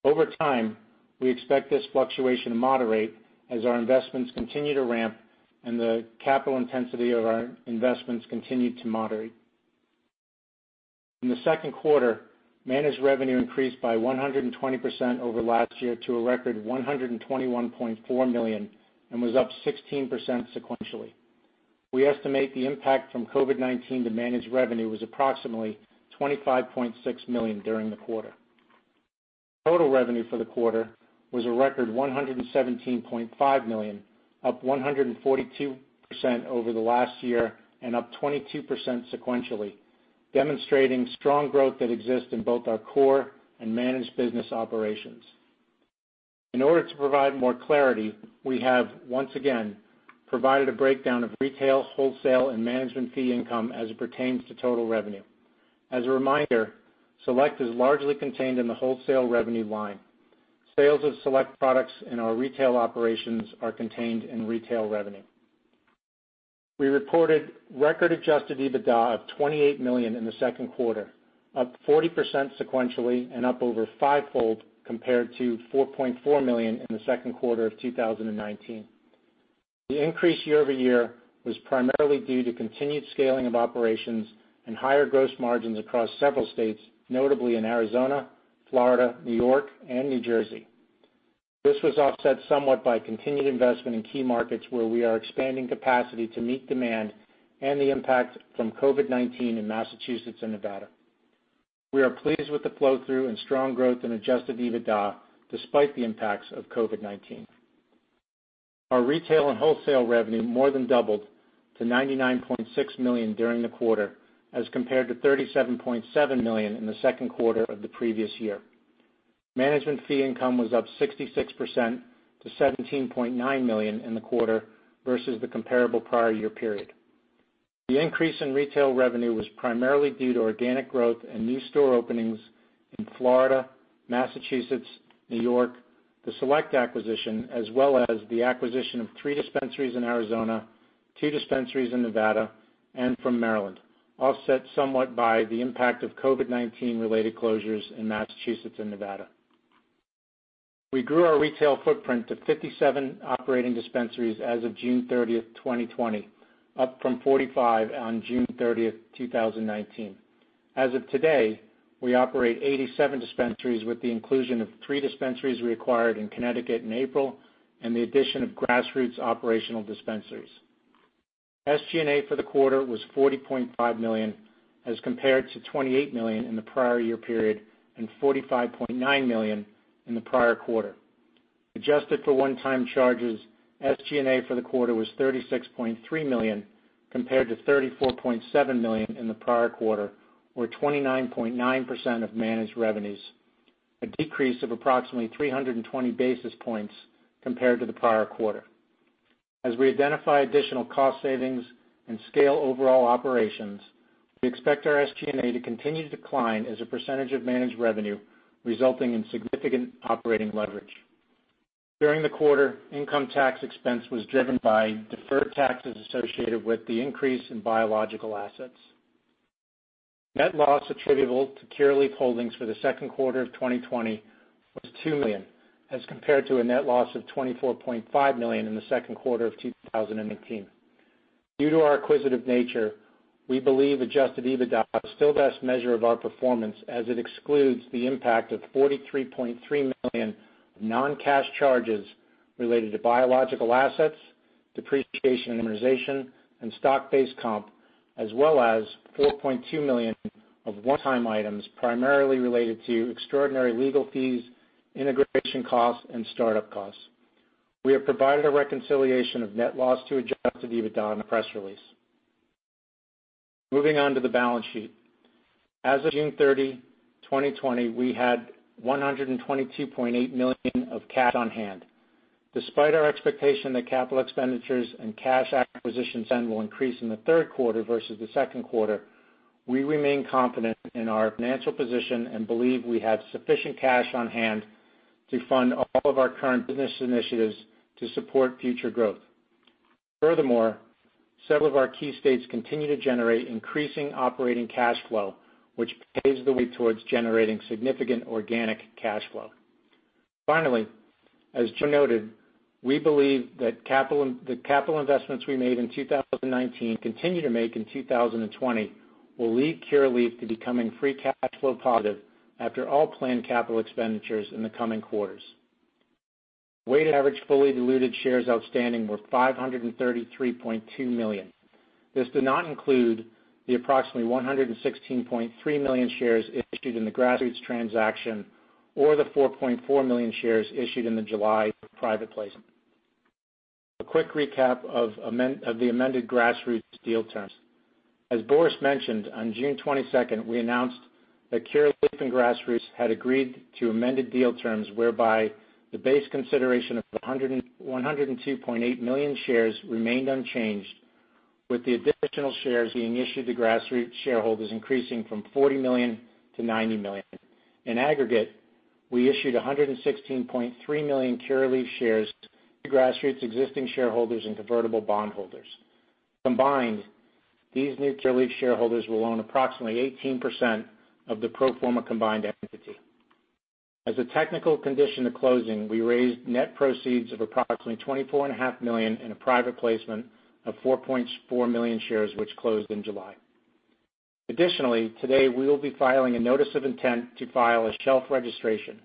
Over time, we expect this fluctuation to moderate as our investments continue to ramp and the capital intensity of our investments continue to moderate. In the second quarter, managed revenue increased by 120% over last year to a record $121.4 million and was up 16% sequentially. We estimate the impact from COVID-19 to managed revenue was approximately $25.6 million during the quarter. Total revenue for the quarter was a record $117.5 million, up 142% over the last year and up 22% sequentially, demonstrating strong growth that exists in both our core and managed business operations. In order to provide more clarity, we have, once again, provided a breakdown of retail, wholesale, and management fee income as it pertains to total revenue. As a reminder, Select is largely contained in the wholesale revenue line. Sales of Select products in our retail operations are contained in retail revenue. We reported record adjusted EBITDA of $28 million in the second quarter, up 40% sequentially and up over fivefold compared to $4.4 million in the second quarter of 2019. The increase year-over-year was primarily due to continued scaling of operations and higher gross margins across several states, notably in Arizona, Florida, New York, and New Jersey. This was offset somewhat by continued investment in key markets where we are expanding capacity to meet demand and the impact from COVID-19 in Massachusetts and Nevada. We are pleased with the flow-through and strong growth in adjusted EBITDA despite the impacts of COVID-19. Our retail and wholesale revenue more than doubled to $99.6 million during the quarter as compared to $37.7 million in the second quarter of the previous year. Management fee income was up 66% to $17.9 million in the quarter versus the comparable prior year period. The increase in retail revenue was primarily due to organic growth and new store openings in Florida, Massachusetts, New York, the Select acquisition, as well as the acquisition of three dispensaries in Arizona, two dispensaries in Nevada, and from Maryland, offset somewhat by the impact of COVID-19-related closures in Massachusetts and Nevada. We grew our retail footprint to 57 operating dispensaries as of June 30, 2020, up from 45 on June 30, 2019. As of today, we operate 87 dispensaries with the inclusion of three dispensaries required in Connecticut in April and the addition of Grassroots operational dispensaries. SG&A for the quarter was $40.5 million as compared to $28 million in the prior year period and $45.9 million in the prior quarter. Adjusted for one-time charges, SG&A for the quarter was $36.3 million compared to $34.7 million in the prior quarter, or 29.9% of managed revenues, a decrease of approximately 320 basis points compared to the prior quarter. As we identify additional cost savings and scale overall operations, we expect our SG&A to continue to decline as a percentage of managed revenue, resulting in significant operating leverage. During the quarter, income tax expense was driven by deferred taxes associated with the increase in biological assets. Net loss attributable to Curaleaf Holdings for the second quarter of 2020 was $2 million as compared to a net loss of $24.5 million in the second quarter of 2018. Due to our acquisitive nature, we believe adjusted EBITDA is still the best measure of our performance as it excludes the impact of $43.3 million of non-cash charges related to biological assets, depreciation and amortization, and stock-based comp, as well as $4.2 million of one-time items primarily related to extraordinary legal fees, integration costs, and startup costs. We have provided a reconciliation of net loss to adjusted EBITDA in the press release. Moving on to the balance sheet. As of June 30, 2020, we had $122.8 million of cash on hand. Despite our expectation that capital expenditures and cash acquisitions will increase in the third quarter versus the second quarter, we remain confident in our financial position and believe we have sufficient cash on hand to fund all of our current business initiatives to support future growth. Furthermore, several of our key states continue to generate increasing operating cash flow, which paves the way towards generating significant organic cash flow. Finally, as Joe noted, we believe that the capital investments we made in 2019 continue to make in 2020 will lead Curaleaf to becoming free cash flow positive after all planned capital expenditures in the coming quarters. Weighted average fully diluted shares outstanding were 533.2 million. This does not include the approximately 116.3 million shares issued in the Grassroots transaction or the 4.4 million shares issued in the July private placement. A quick recap of the amended Grassroots deal terms. As Boris mentioned, on June 22, we announced that Curaleaf and Grassroots had agreed to amended deal terms whereby the base consideration of 102.8 million shares remained unchanged, with the additional shares being issued to Grassroots shareholders increasing from 40 million to 90 million. In aggregate, we issued 116.3 million Curaleaf shares to Grassroots existing shareholders and convertible bondholders. Combined, these new Curaleaf shareholders will own approximately 18% of the pro forma combined entity. As a technical condition to closing, we raised net proceeds of approximately $24.5 million in a private placement of 4.4 million shares, which closed in July. Additionally, today, we will be filing a notice of intent to file a shelf registration.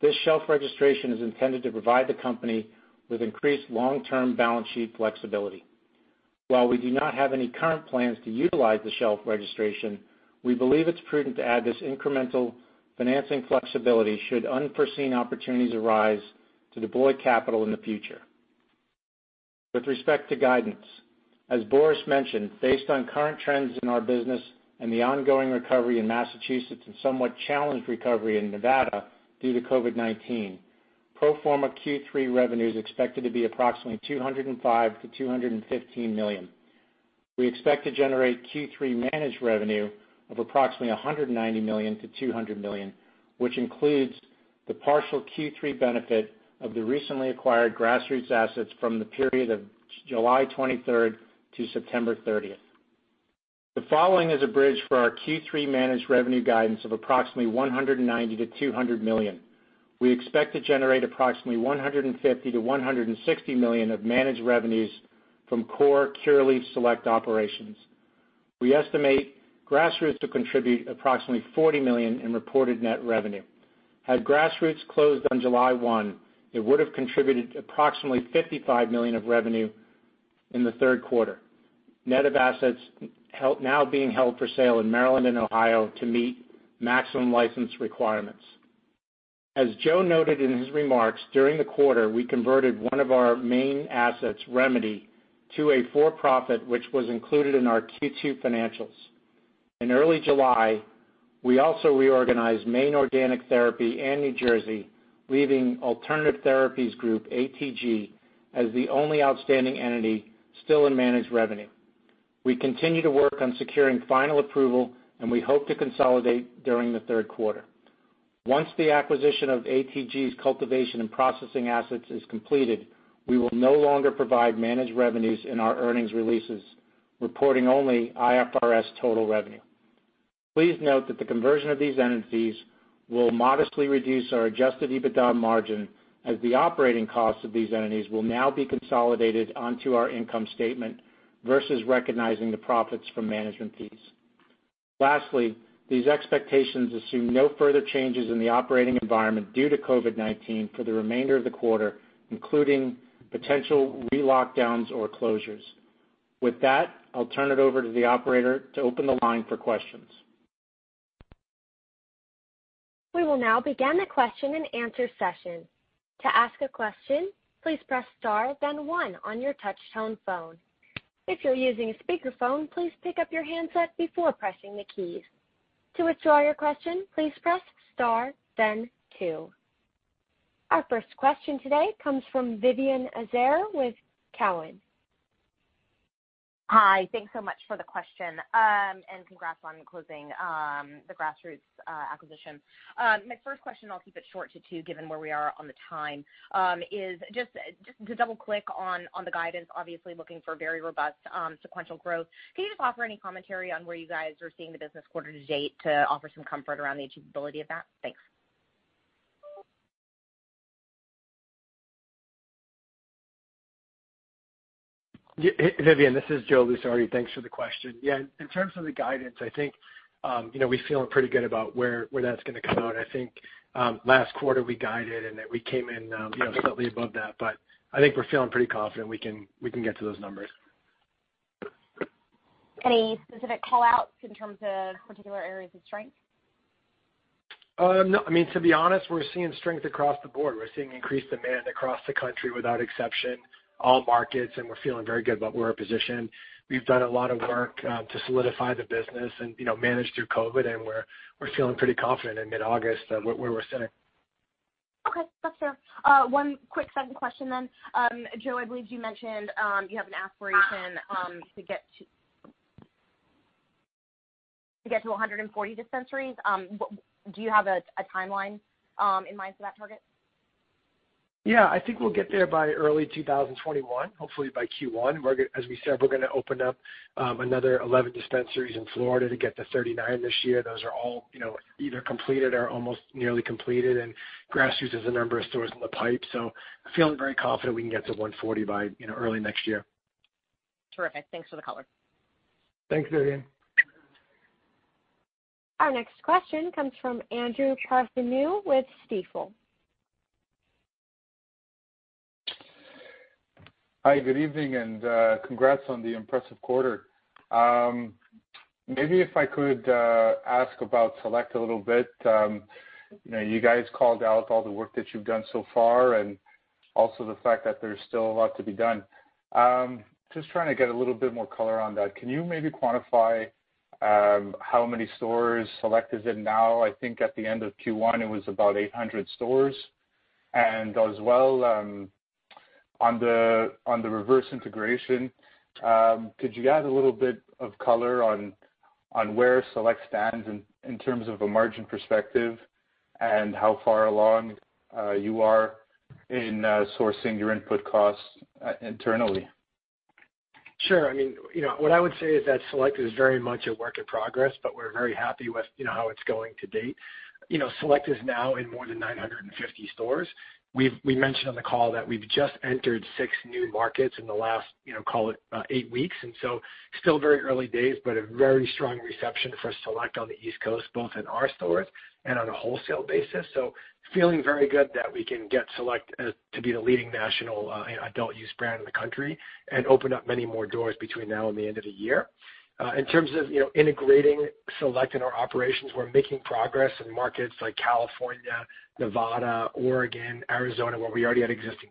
This shelf registration is intended to provide the company with increased long-term balance sheet flexibility. While we do not have any current plans to utilize the shelf registration, we believe it's prudent to add this incremental financing flexibility should unforeseen opportunities arise to deploy capital in the future. With respect to guidance, as Boris mentioned, based on current trends in our business and the ongoing recovery in Massachusetts and somewhat challenged recovery in Nevada due to COVID-19, pro forma Q3 revenues are expected to be approximately $205-$215 million. We expect to generate Q3 managed revenue of approximately $190-$200 million, which includes the partial Q3 benefit of the recently acquired Grassroots assets from the period of July 23 to September 30. The following is a bridge for our Q3 managed revenue guidance of approximately $190-$200 million. We expect to generate approximately $150-$160 million of managed revenues from core Curaleaf Select operations. We estimate Grassroots to contribute approximately $40 million in reported net revenue. Had Grassroots closed on July 1, it would have contributed approximately $55 million of revenue in the third quarter, net of assets now being held for sale in Maryland and Ohio to meet maximum license requirements. As Joe noted in his remarks, during the quarter, we converted one of our main assets, Remedy, to a for-profit, which was included in our Q2 financials. In early July, we also reorganized Maine Organic Therapy and New Jersey, leaving Alternative Therapies Group, ATG, as the only outstanding entity still in managed revenue. We continue to work on securing final approval, and we hope to consolidate during the third quarter. Once the acquisition of ATG's cultivation and processing assets is completed, we will no longer provide managed revenues in our earnings releases, reporting only IFRS total revenue. Please note that the conversion of these entities will modestly reduce our adjusted EBITDA margin as the operating costs of these entities will now be consolidated onto our income statement versus recognizing the profits from management fees. Lastly, these expectations assume no further changes in the operating environment due to COVID-19 for the remainder of the quarter, including potential relockdowns or closures. With that, I'll turn it over to the operator to open the line for questions. We will now begin the question-and-answer session. To ask a question, please press Star, then one on your touch-tone phone. If you're using a speakerphone, please pick up your handset before pressing the keys. To withdraw your question, please press Star, then two. Our first question today comes from Vivian Azer with Cowen. Hi. Thanks so much for the question, and congrats on closing the Grassroots acquisition. My first question-I'll keep it short to two, given where we are on the time-is just to double-click on the guidance, obviously looking for very robust sequential growth. Can you just offer any commentary on where you guys are seeing the business quarter to date to offer some comfort around the achievability of that? Thanks. Yeah. Vivian, this is Joe Lusardi. Thanks for the question. Yeah. In terms of the guidance, I think we're feeling pretty good about where that's going to come out. I think last quarter we guided and that we came in slightly above that, but I think we're feeling pretty confident we can get to those numbers. Any specific callouts in terms of particular areas of strength? No. I mean, to be honest, we're seeing strength across the board. We're seeing increased demand across the country without exception, all markets, and we're feeling very good about where we're positioned. We've done a lot of work to solidify the business and manage through COVID, and we're feeling pretty confident in mid-August where we're sitting. Okay. That's fair. One quick second question then. Joe, I believe you mentioned you have an aspiration to get to 140 dispensaries. Do you have a timeline in mind for that target? Yeah. I think we'll get there by early 2021, hopefully by Q1. As we said, we're going to open up another 11 dispensaries in Florida to get to 39 this year. Those are all either completed or almost nearly completed, and Grassroots has a number of stores in the pipe. So I'm feeling very confident we can get to 140 by early next year. Terrific. Thanks for the caller. Thanks, Vivian. Our next question comes from Andrew Partheniou with Stifel. Hi. Good evening and congrats on the impressive quarter. Maybe if I could ask about Select a little bit. You guys called out all the work that you've done so far and also the fact that there's still a lot to be done. Just trying to get a little bit more color on that. Can you maybe quantify how many stores Select is in now? I think at the end of Q1, it was about 800 stores. And as well, on the reverse integration, could you add a little bit of color on where Select stands in terms of a margin perspective and how far along you are in sourcing your input costs internally? Sure. I mean, what I would say is that Select is very much a work in progress, but we're very happy with how it's going to date. Select is now in more than 950 stores. We mentioned on the call that we've just entered six new markets in the last, call it, eight weeks. And so still very early days, but a very strong reception for Select on the East Coast, both in our stores and on a wholesale basis. So feeling very good that we can get Select to be the leading national adult use brand in the country and open up many more doors between now and the end of the year. In terms of integrating Select in our operations, we're making progress in markets like California, Nevada, Oregon, Arizona, where we already had existing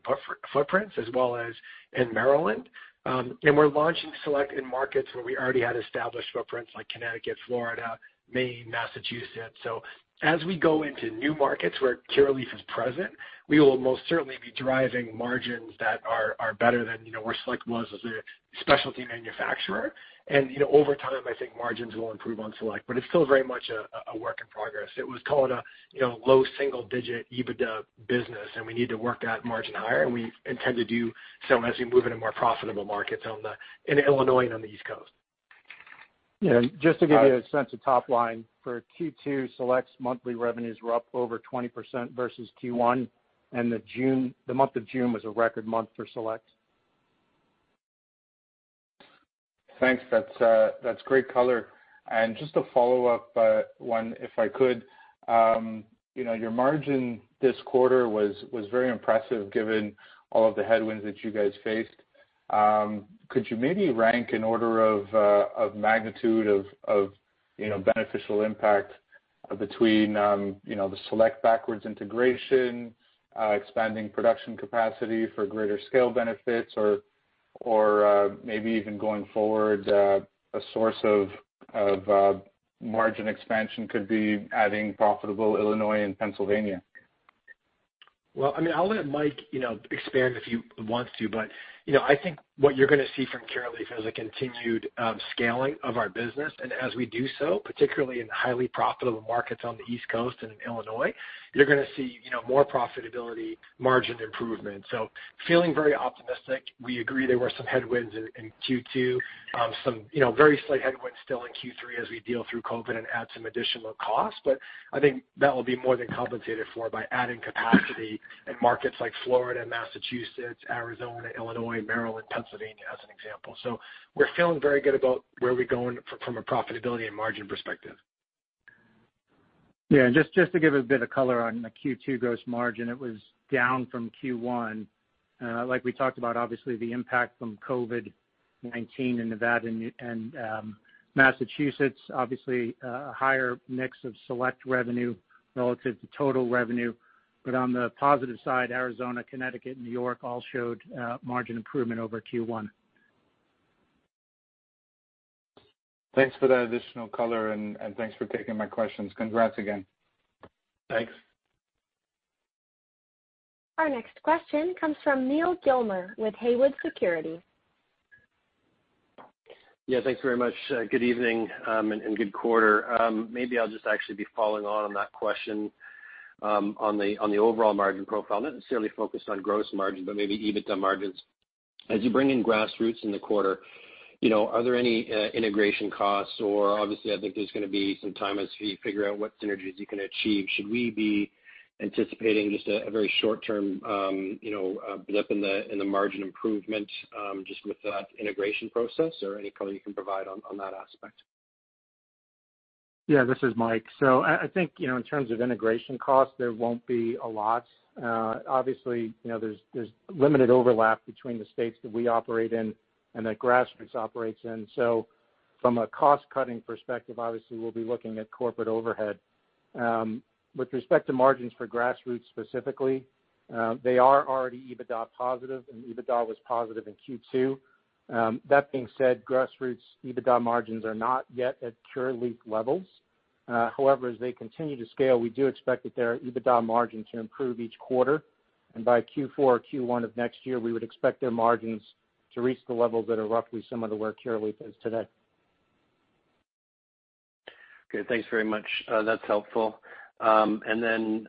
footprints, as well as in Maryland. And we're launching Select in markets where we already had established footprints like Connecticut, Florida, Maine, Massachusetts. So as we go into new markets where Curaleaf is present, we will most certainly be driving margins that are better than where Select was as a specialty manufacturer. And over time, I think margins will improve on Select, but it's still very much a work in progress. It was called a low single-digit EBITDA business, and we need to work that margin higher. And we intend to do so as we move into more profitable markets in Illinois and on the East Coast. Yeah. Just to give you a sense of top line, for Q2, Select's monthly revenues were up over 20% versus Q1, and the month of June was a record month for Select. Thanks. That's great color. And just to follow up one, if I could, your margin this quarter was very impressive given all of the headwinds that you guys faced. Could you maybe rank in order of magnitude of beneficial impact between the Select backward integration, expanding production capacity for greater scale benefits, or maybe even going forward, a source of margin expansion could be adding profitable Illinois and Pennsylvania? Well, I mean, I'll let Mike expand if he wants to, but I think what you're going to see from Curaleaf is a continued scaling of our business. And as we do so, particularly in highly profitable markets on the East Coast and in Illinois, you're going to see more profitability, margin improvement. So, feeling very optimistic. We agree there were some headwinds in Q2, some very slight headwinds still in Q3 as we deal through COVID and add some additional costs. But I think that will be more than compensated for by adding capacity in markets like Florida, Massachusetts, Arizona, Illinois, Maryland, Pennsylvania, as an example. So we're feeling very good about where we're going from a profitability and margin perspective. Yeah. Just to give a bit of color on the Q2 gross margin, it was down from Q1. Like we talked about, obviously, the impact from COVID-19 in Nevada and Massachusetts. Obviously, a higher mix of Select revenue relative to total revenue. But on the positive side, Arizona, Connecticut, and New York all showed margin improvement over Q1. Thanks for that additional color, and thanks for taking my questions. Congrats again. Thanks. Our next question comes from Neal Gilmer with Haywood Securities. Yeah. Thanks very much. Good evening and good quarter. Maybe I'll just actually be following on that question on the overall margin profile, not necessarily focused on gross margin, but maybe EBITDA margins. As you bring in Grassroots in the quarter, are there any integration costs? Or obviously, I think there's going to be some time as we figure out what synergies you can achieve. Should we be anticipating just a very short-term dip in the margin improvement just with that integration process? Or any color you can provide on that aspect? Yeah. This is Mike. So I think in terms of integration costs, there won't be a lot. Obviously, there's limited overlap between the states that we operate in and that Grassroots operates in. So from a cost-cutting perspective, obviously, we'll be looking at corporate overhead. With respect to margins for Grassroots specifically, they are already EBITDA positive, and EBITDA was positive in Q2. That being said, Grassroots' EBITDA margins are not yet at Curaleaf levels. However, as they continue to scale, we do expect that their EBITDA margin to improve each quarter. And by Q4 or Q1 of next year, we would expect their margins to reach the levels that are roughly similar to where Curaleaf is today. Okay. Thanks very much. That's helpful. And then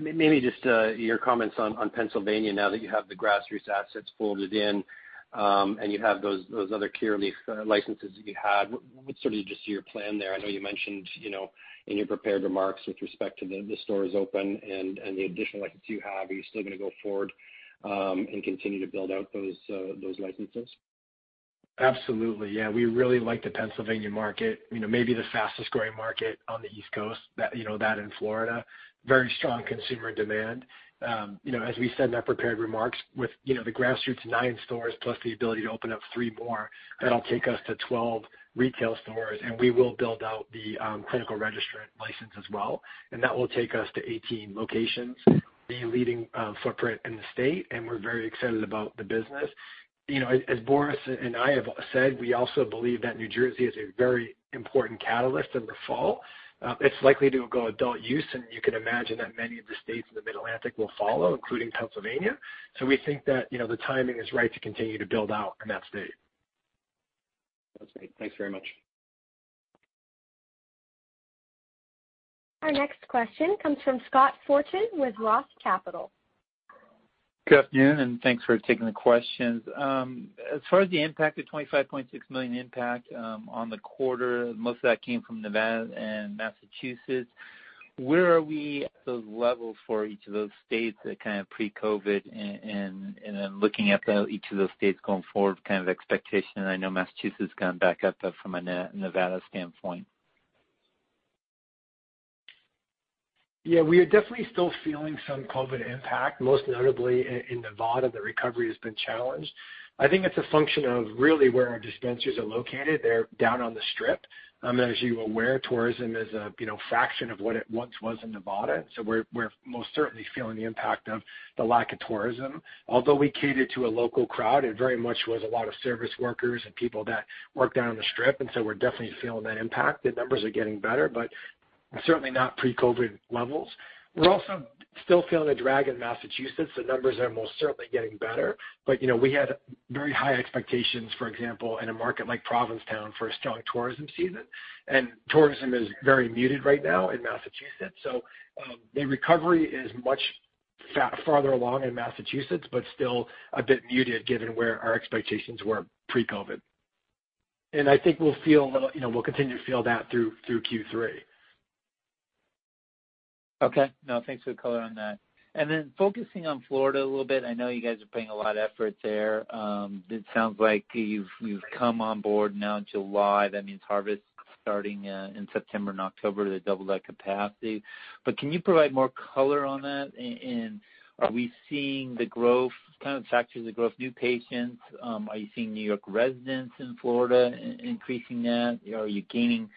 maybe just your comments on Pennsylvania now that you have the Grassroots assets folded in and you have those other Curaleaf licenses that you had. What's sort of just your plan there? I know you mentioned in your prepared remarks with respect to the stores open and the additional license you have. Are you still going to go forward and continue to build out those licenses? Absolutely. Yeah. We really like the Pennsylvania market, maybe the fastest-growing market on the East Coast, that in Florida, very strong consumer demand. As we said in our prepared remarks, with the Grassroots nine stores plus the ability to open up three more, that'll take us to 12 retail stores. And we will build out the clinical registrant license as well. And that will take us to 18 locations, the leading footprint in the state. And we're very excited about the business. As Boris and I have said, we also believe that New Jersey is a very important catalyst in the fall. It's likely to go adult use, and you can imagine that many of the states in the Mid-Atlantic will follow, including Pennsylvania. So we think that the timing is right to continue to build out in that state. That's great. Thanks very much. Our next question comes from Scott Fortune with Roth Capital Partners. Good afternoon, and thanks for taking the questions. As far as the impact of $25.6 million impact on the quarter, most of that came from Nevada and Massachusetts. Where are we at those levels for each of those states that kind of pre-COVID and then looking at each of those states going forward kind of expectation? I know Massachusetts has gone back up from a Nevada standpoint. Yeah. We are definitely still feeling some COVID impact, most notably in Nevada. The recovery has been challenged. I think it's a function of really where our dispensaries are located. They're down on the Strip. And as you're aware, tourism is a fraction of what it once was in Nevada. And so we're most certainly feeling the impact of the lack of tourism. Although we catered to a local crowd, it very much was a lot of service workers and people that worked down on the Strip. And so we're definitely feeling that impact. The numbers are getting better, but certainly not pre-COVID levels. We're also still feeling a drag in Massachusetts. The numbers are most certainly getting better. But we had very high expectations, for example, in a market like Provincetown for a strong tourism season. And tourism is very muted right now in Massachusetts. So the recovery is much farther along in Massachusetts, but still a bit muted given where our expectations were pre-COVID. And I think we'll continue to feel that through Q3. Okay. No, thanks for the color on that. And then, focusing on Florida a little bit, I know you guys are putting a lot of effort there. It sounds like you've come on board now in July. That means harvest starting in September and October to double that capacity. But can you provide more color on that? And are we seeing the growth, kind of factors of growth, new patients? Are you seeing New York residents in Florida increasing that? Are you gaining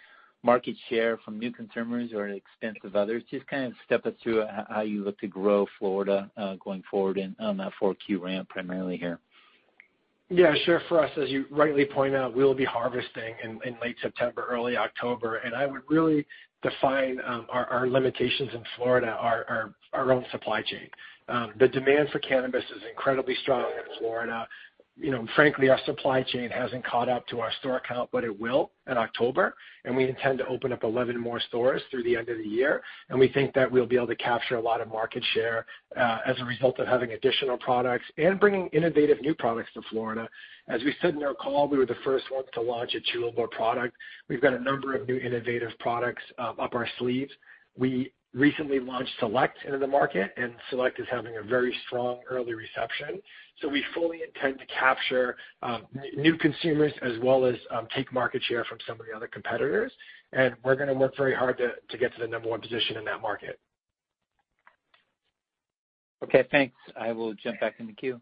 market share from new consumers or at expense of others? Just kind of step us through how you look to grow Florida going forward on that 4Q ramp primarily here. Yeah. Sure. For us, as you rightly point out, we will be harvesting in late September, early October, and I would really define our limitations in Florida, our own supply chain. The demand for cannabis is incredibly strong in Florida. Frankly, our supply chain hasn't caught up to our store count, but it will in October, and we intend to open up 11 more stores through the end of the year, and we think that we'll be able to capture a lot of market share as a result of having additional products and bringing innovative new products to Florida. As we said in our call, we were the first ones to launch a chewable product. We've got a number of new innovative products up our sleeves. We recently launched Select into the market, and Select is having a very strong early reception. So we fully intend to capture new consumers as well as take market share from some of the other competitors. And we're going to work very hard to get to the number one position in that market. Okay. Thanks. I will jump back in the queue.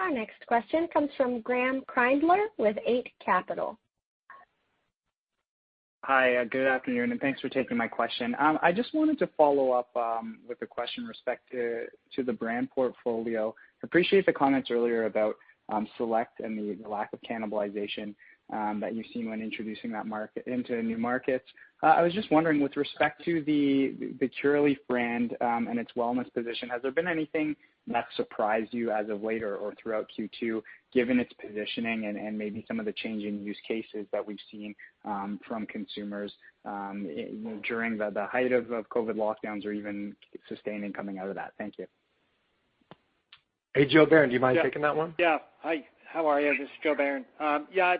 Our next question comes from Graeme Kreindler with Eight Capital. Hi. Good afternoon, and thanks for taking my question. I just wanted to follow up with a question with respect to the brand portfolio. Appreciate the comments earlier about Select and the lack of cannibalization that you've seen when introducing that brand into new markets. I was just wondering, with respect to the Curaleaf brand and its wellness position, has there been anything that surprised you as of late or throughout Q2, given its positioning and maybe some of the changing use cases that we've seen from consumers during the height of COVID lockdowns or even sustaining coming out of that? Thank you. Hey, Joe Bayern, do you mind taking that one? Yeah. Hi. How are you? This is Joe Bayern. Yeah.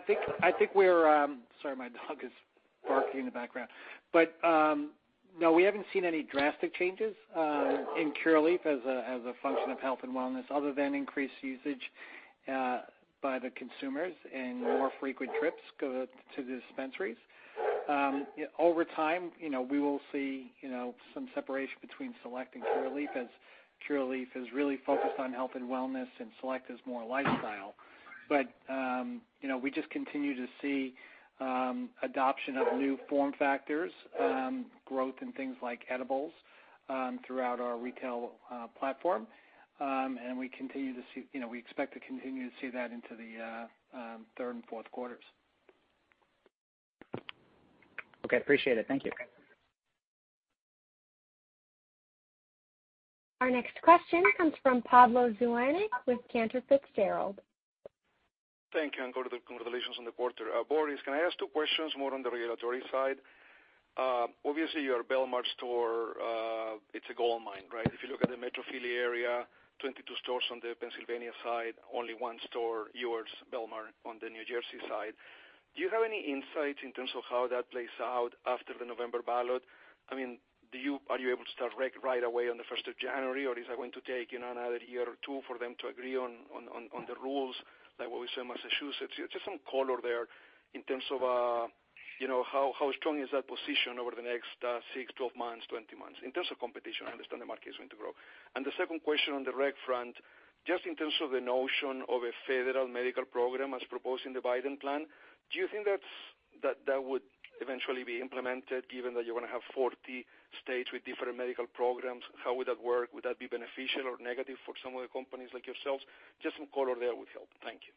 Sorry, my dog is barking in the background. But no, we haven't seen any drastic changes in Curaleaf as a function of health and wellness other than increased usage by the consumers and more frequent trips to the dispensaries. Over time, we will see some separation between Select and Curaleaf as Curaleaf is really focused on health and wellness and Select is more lifestyle. But we just continue to see adoption of new form factors, growth in things like edibles throughout our retail platform. We expect to continue to see that into the third and fourth quarters. Okay. Appreciate it. Thank you. Our next question comes from Pablo Zuanic with Cantor Fitzgerald. Thank you. And congratulations on the quarter. Boris, can I ask two questions more on the regulatory side? Obviously, you are a Bellmawr store. It's a goal of mine, right? If you look at the Metro Philly area, 22 stores on the Pennsylvania side, only one store, yours, Bellmawr, on the New Jersey side. Do you have any insights in terms of how that plays out after the November ballot? I mean, are you able to start right away on the 1st of January, or is that going to take another year or two for them to agree on the rules like what we saw in Massachusetts? Just some color there in terms of how strong is that position over the next six, 12 months, 20 months in terms of competition? I understand the market is going to grow. And the second question on the reg front, just in terms of the notion of a federal medical program as proposed in the Biden plan, do you think that would eventually be implemented given that you're going to have 40 states with different medical programs? How would that work? Would that be beneficial or negative for some of the companies like yourselves? Just some color there would help. Thank you.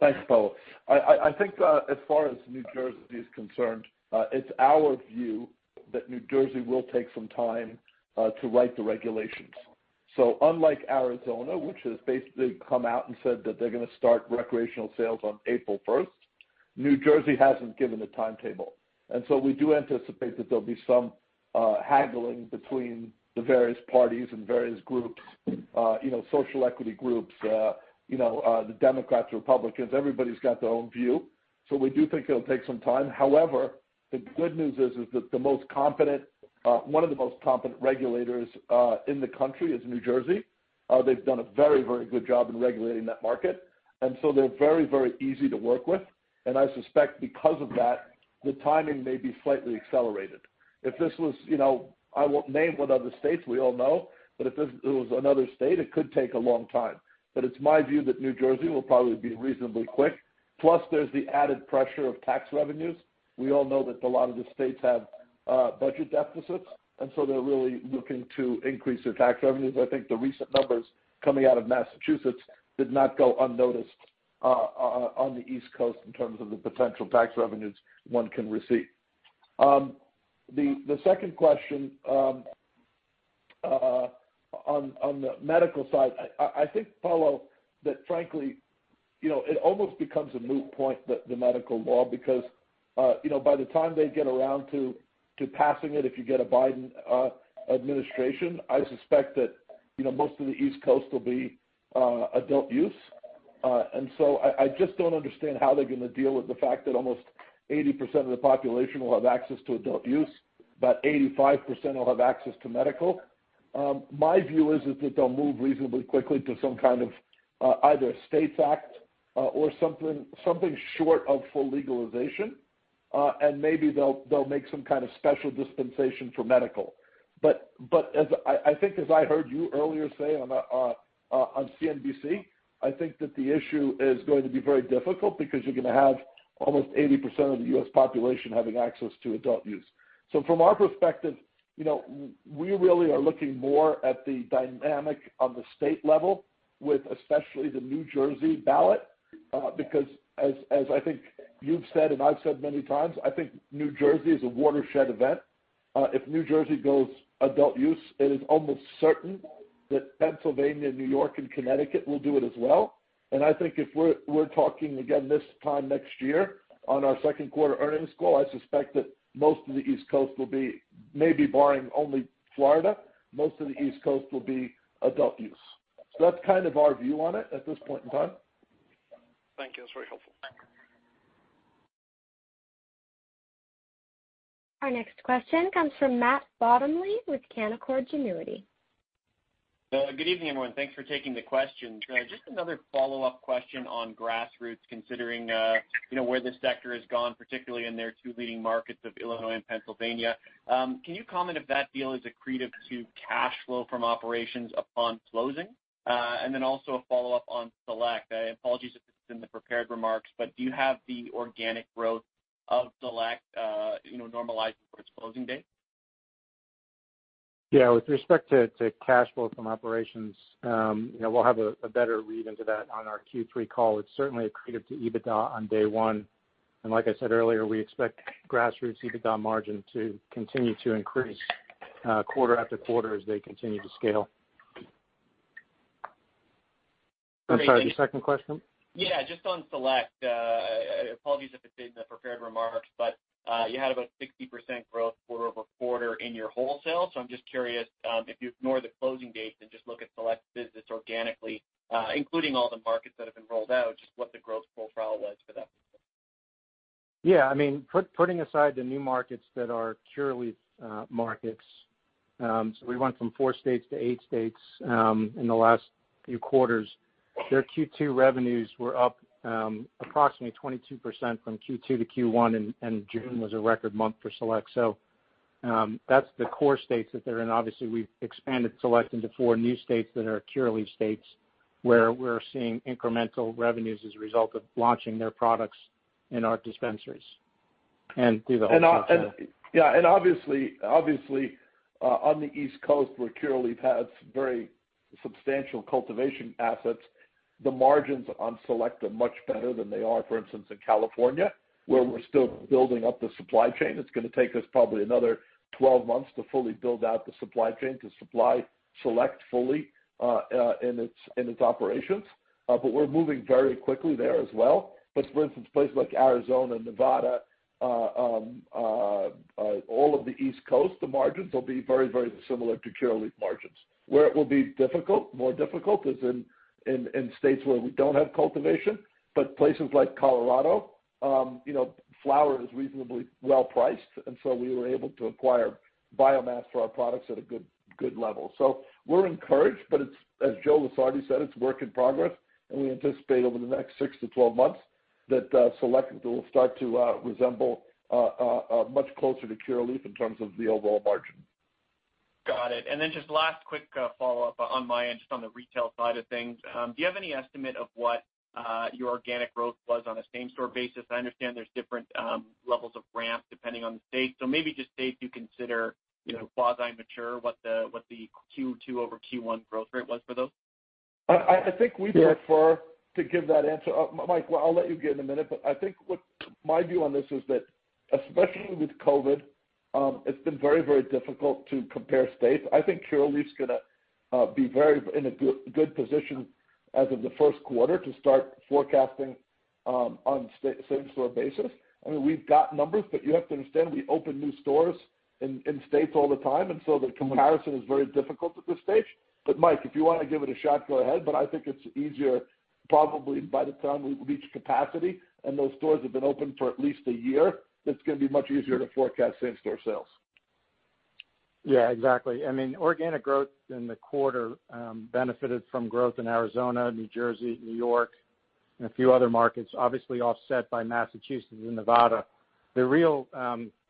Thanks, Paul. I think as far as New Jersey is concerned, it's our view that New Jersey will take some time to write the regulations, so unlike Arizona, which has basically come out and said that they're going to start recreational sales on April 1st, New Jersey hasn't given a timetable, and so we do anticipate that there'll be some haggling between the various parties and various groups, social equity groups, the Democrats, Republicans. Everybody's got their own view, so we do think it'll take some time. However, the good news is that the most competent—one of the most competent regulators in the country is New Jersey. They've done a very, very good job in regulating that market, and so they're very, very easy to work with. And I suspect because of that, the timing may be slightly accelerated. If this was, I won't name what other states we all know, but if this was another state, it could take a long time. But it's my view that New Jersey will probably be reasonably quick. Plus, there's the added pressure of tax revenues. We all know that a lot of the states have budget deficits, and so they're really looking to increase their tax revenues. I think the recent numbers coming out of Massachusetts did not go unnoticed on the East Coast in terms of the potential tax revenues one can receive. The second question on the medical side, I think, Pablo, that frankly, it almost becomes a moot point, the medical law, because by the time they get around to passing it, if you get a Biden administration, I suspect that most of the East Coast will be adult use. And so I just don't understand how they're going to deal with the fact that almost 80% of the population will have access to adult use, about 85% will have access to medical. My view is that they'll move reasonably quickly to some kind of either a STATES Act or something short of full legalization. And maybe they'll make some kind of special dispensation for medical. But I think, as I heard you earlier say on CNBC, I think that the issue is going to be very difficult because you're going to have almost 80% of the U.S. population having access to adult use. So from our perspective, we really are looking more at the dynamic on the state level with especially the New Jersey ballot because, as I think you've said and I've said many times, I think New Jersey is a watershed event. If New Jersey goes adult use, it is almost certain that Pennsylvania, New York, and Connecticut will do it as well. And I think if we're talking again this time next year on our second quarter earnings goal, I suspect that most of the East Coast will be, maybe barring only Florida, most of the East Coast will be adult use. So that's kind of our view on it at this point in time. Thank you. That's very helpful. Our next question comes from Matt Bottomley with Canaccord Genuity. Good evening, everyone. Thanks for taking the question. Just another follow-up question on Grassroots considering where the sector has gone, particularly in their two leading markets of Illinois and Pennsylvania. Can you comment if that deal is accretive to cash flow from operations upon closing? And then also a follow-up on Select. Apologies if this is in the prepared remarks, but do you have the organic growth of Select normalizing for its closing date? Yeah. With respect to cash flow from operations, we'll have a better read into that on our Q3 call. It's certainly accretive to EBITDA on day one. And like I said earlier, we expect Grassroots EBITDA margin to continue to increase quarter after quarter as they continue to scale. I'm sorry, the second question? Yeah. Just on Select. Apologies if it's in the prepared remarks, but you had about 60% growth quarter over quarter in your wholesale. So I'm just curious if you ignore the closing date and just look at Select's business organically, including all the markets that have been rolled out, just what the growth profile was for that? Yeah. I mean, putting aside the new markets that are Curaleaf markets, so we went from four states to eight states in the last few quarters. Their Q2 revenues were up approximately 22% from Q2 to Q1, and June was a record month for Select. So that's the core states that they're in. Obviously, we've expanded Select into four new states that are Curaleaf states where we're seeing incremental revenues as a result of launching their products in our dispensaries and through the wholesale market. Yeah. And obviously, on the East Coast, where Curaleaf has very substantial cultivation assets, the margins on Select are much better than they are, for instance, in California, where we're still building up the supply chain. It's going to take us probably another 12 months to fully build out the supply chain to supply Select fully in its operations. But we're moving very quickly there as well. But for instance, places like Arizona and Nevada, all of the East Coast, the margins will be very, very similar to Curaleaf margins. Where it will be difficult, more difficult, is in states where we don't have cultivation. But places like Colorado, flower is reasonably well priced, and so we were able to acquire biomass for our products at a good level. So we're encouraged, but as Joe Lusardi said, it's work in progress. We anticipate over the next six to 12 months that Select will start to resemble much closer to Curaleaf in terms of the overall margin. Got it. And then just last quick follow-up on my end, just on the retail side of things. Do you have any estimate of what your organic growth was on a same-store basis? I understand there's different levels of ramp depending on the state. So maybe just states you consider quasi-mature, what the Q2 over Q1 growth rate was for those? I think we prefer to give that answer. Mike, I'll let you get in a minute, but I think my view on this is that, especially with COVID, it's been very, very difficult to compare states. I think Curaleaf's going to be in a good position as of the first quarter to start forecasting on same-store basis. I mean, we've got numbers, but you have to understand we open new stores in states all the time, and so the comparison is very difficult at this stage, but Mike, if you want to give it a shot, go ahead, but I think it's easier probably by the time we reach capacity and those stores have been open for at least a year, that's going to be much easier to forecast same-store sales. Yeah. Exactly. I mean, organic growth in the quarter benefited from growth in Arizona, New Jersey, New York, and a few other markets, obviously offset by Massachusetts and Nevada. The real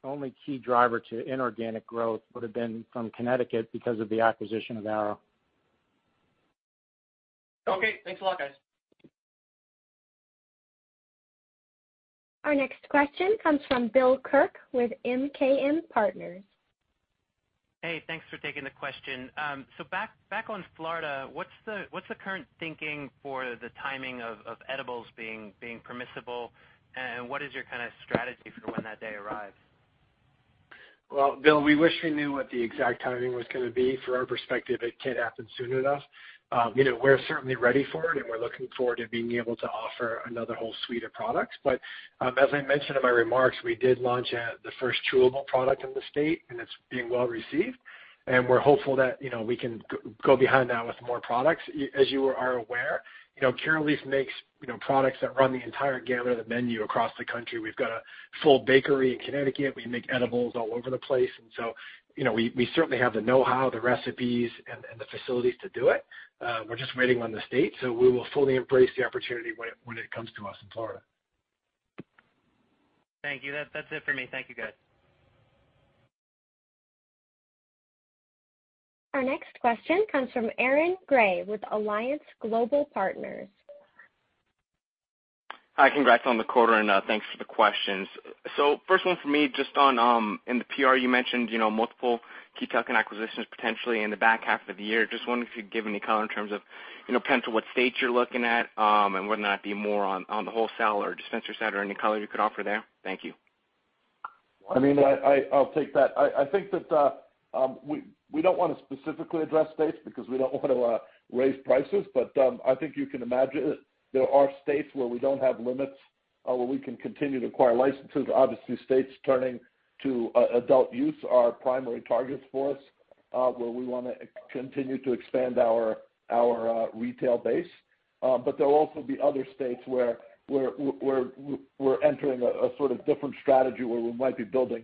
only key driver to inorganic growth would have been from Connecticut because of the acquisition of Arrow. Okay. Thanks a lot, guys. Our next question comes from Bill Kirk with MKM Partners. Hey. Thanks for taking the question. So back on Florida, what's the current thinking for the timing of edibles being permissible, and what is your kind of strategy for when that day arrives? Well, Bill, we wish we knew what the exact timing was going to be. From our perspective, it can't happen soon enough. We're certainly ready for it, and we're looking forward to being able to offer another whole suite of products. But as I mentioned in my remarks, we did launch the first chewable product in the state, and it's being well received. And we're hopeful that we can go behind that with more products. As you are aware, Curaleaf makes products that run the entire gamut of the menu across the country. We've got a full bakery in Connecticut. We make edibles all over the place. And so we certainly have the know-how, the recipes, and the facilities to do it. We're just waiting on the state. So we will fully embrace the opportunity when it comes to us in Florida. Thank you. That's it for me. Thank you, guys. Our next question comes from Aaron Grey with Alliance Global Partners. Hi. Congrats on the quarter, and thanks for the questions. So first one for me, just on, in the PR, you mentioned multiple key tuck acquisitions potentially in the back half of the year. Just wondering if you could give any color in terms of potentially what states you're looking at and whether or not it'd be more on the wholesale or dispensary side or any color you could offer there. Thank you. I mean, I'll take that. I think that we don't want to specifically address states because we don't want to raise prices. But I think you can imagine there are states where we don't have limits where we can continue to acquire licenses. Obviously, states turning to adult use are primary targets for us where we want to continue to expand our retail base. But there will also be other states where we're entering a sort of different strategy where we might be building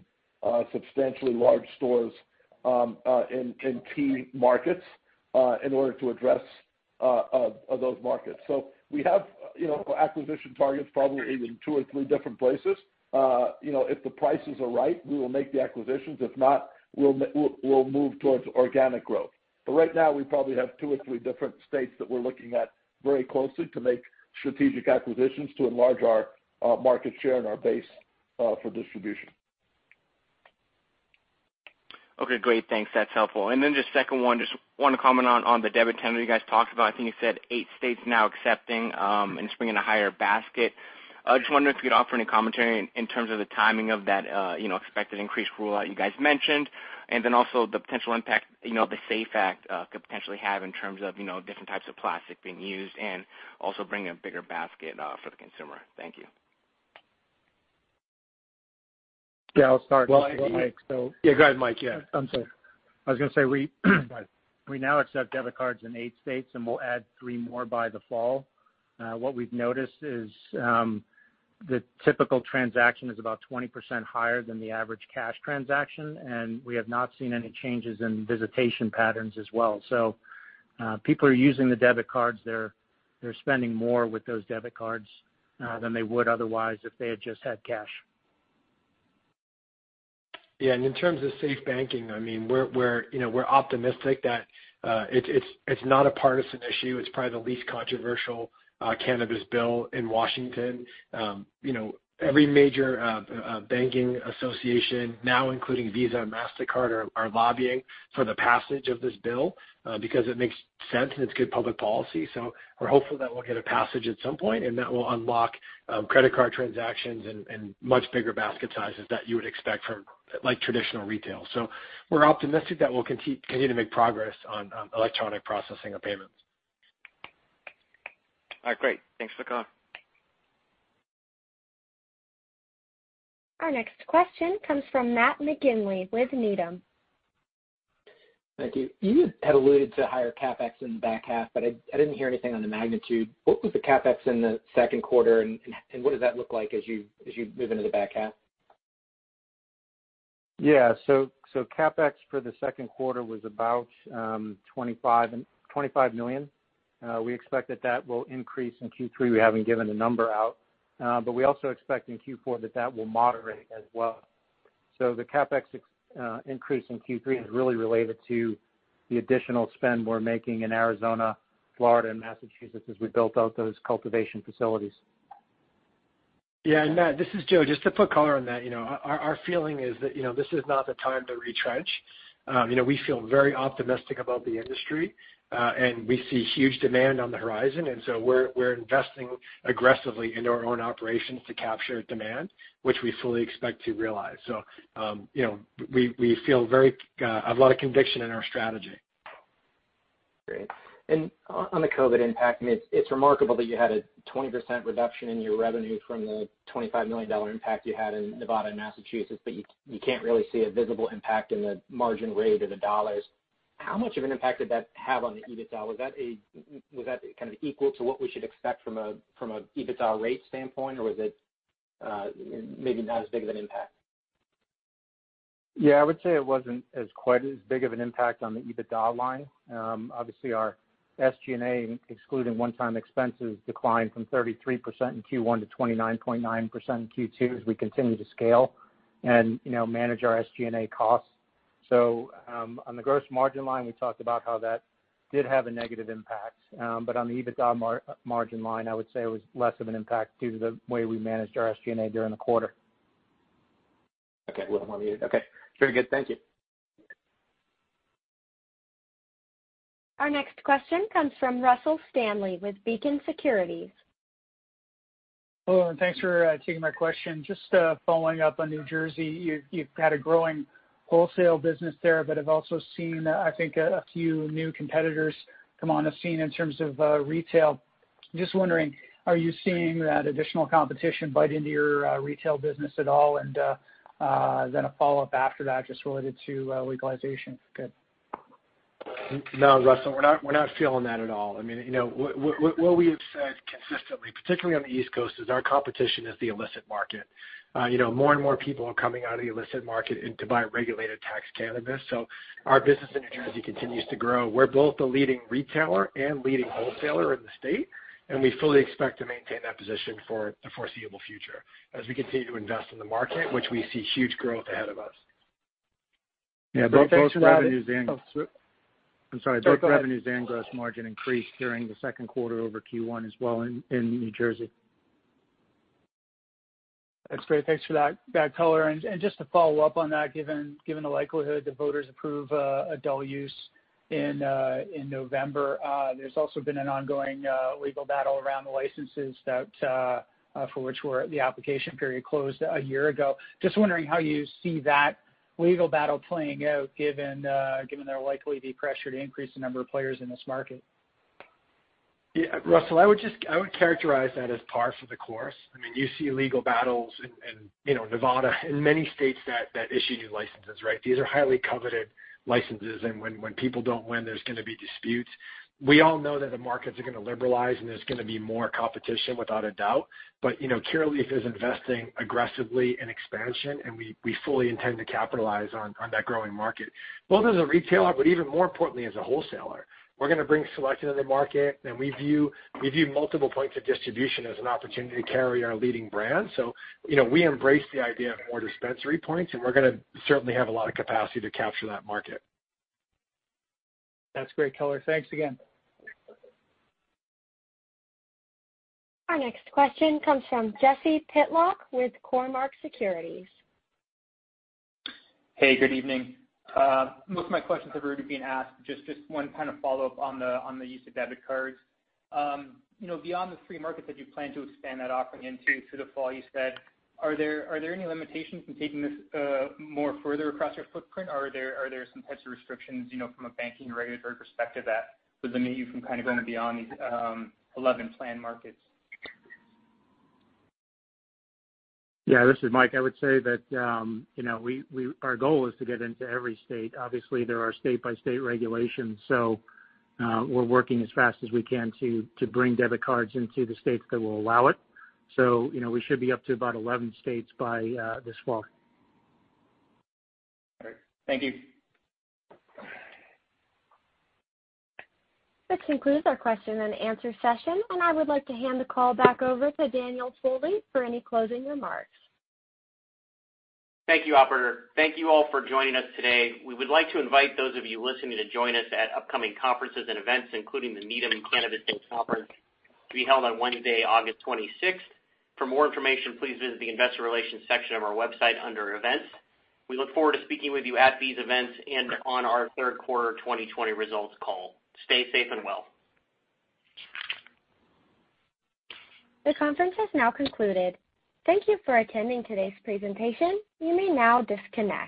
substantially large stores in key markets in order to address those markets. So we have acquisition targets probably in two or three different places. If the prices are right, we will make the acquisitions. If not, we'll move towards organic growth. But right now, we probably have two or three different states that we're looking at very closely to make strategic acquisitions to enlarge our market share and our base for distribution. Okay. Great. Thanks. That's helpful. And then just the second one, just wanted to comment on the debit tender you guys talked about. I think you said eight states now accepting and swiping a higher basket. I just wonder if you could offer any commentary in terms of the timing of that expected increase to the rule that you guys mentioned and then also the potential impact the SAFE Act could potentially have in terms of different types of plastic being used and also bringing a bigger basket for the consumer. Thank you. Yeah. I'll start. Well, Mike, so. Yeah. Go ahead, Mike. Yeah. I'm sorry. I was going to say we now accept debit cards in eight states, and we'll add three more by the fall. What we've noticed is the typical transaction is about 20% higher than the average cash transaction, and we have not seen any changes in visitation patterns as well, so people are using the debit cards. They're spending more with those debit cards than they would otherwise if they had just had cash. Yeah. And in terms of SAFE Banking, I mean, we're optimistic that it's not a partisan issue. It's probably the least controversial cannabis bill in Washington. Every major banking association, now including Visa and Mastercard, are lobbying for the passage of this bill because it makes sense and it's good public policy. So we're hopeful that we'll get a passage at some point, and that will unlock credit card transactions and much bigger basket sizes that you would expect from traditional retail. So we're optimistic that we'll continue to make progress on electronic processing of payments. All right. Great. Thanks for the call. Our next question comes from Matt McGinley with Needham. Thank you. You had alluded to higher CapEx in the back half, but I didn't hear anything on the magnitude. What was the CapEx in the second quarter, and what does that look like as you move into the back half? Yeah, so CapEx for the second quarter was about $25 million. We expect that that will increase in Q3. We haven't given a number out, but we also expect in Q4 that that will moderate as well, so the CapEx increase in Q3 is really related to the additional spend we're making in Arizona, Florida, and Massachusetts as we build out those cultivation facilities. Yeah. And Matt, this is Joe. Just to put color on that, our feeling is that this is not the time to retrench. We feel very optimistic about the industry, and we see huge demand on the horizon. And so we're investing aggressively in our own operations to capture demand, which we fully expect to realize. So we feel very. I have a lot of conviction in our strategy. Great, and on the COVID impact, I mean, it's remarkable that you had a 20% reduction in your revenue from the $25 million impact you had in Nevada and Massachusetts, but you can't really see a visible impact in the margin rate or the dollars. How much of an impact did that have on the EBITDA? Was that kind of equal to what we should expect from an EBITDA rate standpoint, or was it maybe not as big of an impact? Yeah. I would say it wasn't quite as big of an impact on the EBITDA line. Obviously, our SG&A, excluding one-time expenses, declined from 33% in Q1 to 29.9% in Q2 as we continue to scale and manage our SG&A costs. So on the gross margin line, we talked about how that did have a negative impact. But on the EBITDA margin line, I would say it was less of an impact due to the way we managed our SG&A during the quarter. Okay. We'll have more immediately. Okay. Very good. Thank you. Our next question comes from Russell Stanley with Beacon Securities. Hello. And thanks for taking my question. Just following up on New Jersey, you've had a growing wholesale business there, but have also seen, I think, a few new competitors come on the scene in terms of retail. Just wondering, are you seeing that additional competition bite into your retail business at all? And then a follow-up after that just related to legalization. Good. No, Russell, we're not feeling that at all. I mean, what we have said consistently, particularly on the East Coast, is our competition is the illicit market. More and more people are coming out of the illicit market to buy regulated tax cannabis. So our business in New Jersey continues to grow. We're both a leading retailer and leading wholesaler in the state, and we fully expect to maintain that position for the foreseeable future as we continue to invest in the market, which we see huge growth ahead of us. Yeah. Both revenues and, I'm sorry. Both revenues and gross margin increased during the second quarter over Q1 as well in New Jersey. That's great. Thanks for that color. And just to follow up on that, given the likelihood that voters approve adult use in November, there's also been an ongoing legal battle around the licenses for which the application period closed a year ago. Just wondering how you see that legal battle playing out given there's likely to be pressure to increase the number of players in this market? Yeah. Russell, I would characterize that as par for the course. I mean, you see legal battles in Nevada and many states that issue new licenses, right? These are highly coveted licenses. And when people don't win, there's going to be disputes. We all know that the markets are going to liberalize, and there's going to be more competition without a doubt. But Curaleaf is investing aggressively in expansion, and we fully intend to capitalize on that growing market, both as a retailer, but even more importantly, as a wholesaler. We're going to bring selection to the market, and we view multiple points of distribution as an opportunity to carry our leading brand. So we embrace the idea of more dispensary points, and we're going to certainly have a lot of capacity to capture that market. That's great color. Thanks again. Our next question comes from Jesse Pytlak with Cormark Securities. Hey. Good evening. Most of my questions have already been asked. Just one kind of follow-up on the use of debit cards. Beyond the key markets that you plan to expand that offering into through the fall, you said, are there any limitations in taking this more further across your footprint, or are there some types of restrictions from a banking regulatory perspective that would limit you from kind of going beyond these 11 planned markets? Yeah. This is Mike. I would say that our goal is to get into every state. Obviously, there are state-by-state regulations. So we're working as fast as we can to bring debit cards into the states that will allow it. So we should be up to about 11 states by this fall. Great. Thank you. This concludes our question-and-answer session, and I would like to hand the call back over to Daniel Foley for any closing remarks. Thank you, Operator. Thank you all for joining us today. We would like to invite those of you listening to join us at upcoming conferences and events, including the Needham Cannabis Days Conference, to be held on Wednesday, August 26th. For more information, please visit the investor relations section of our website under events. We look forward to speaking with you at these events and on our third quarter 2020 results call. Stay safe and well. The conference has now concluded. Thank you for attending today's presentation. You may now disconnect.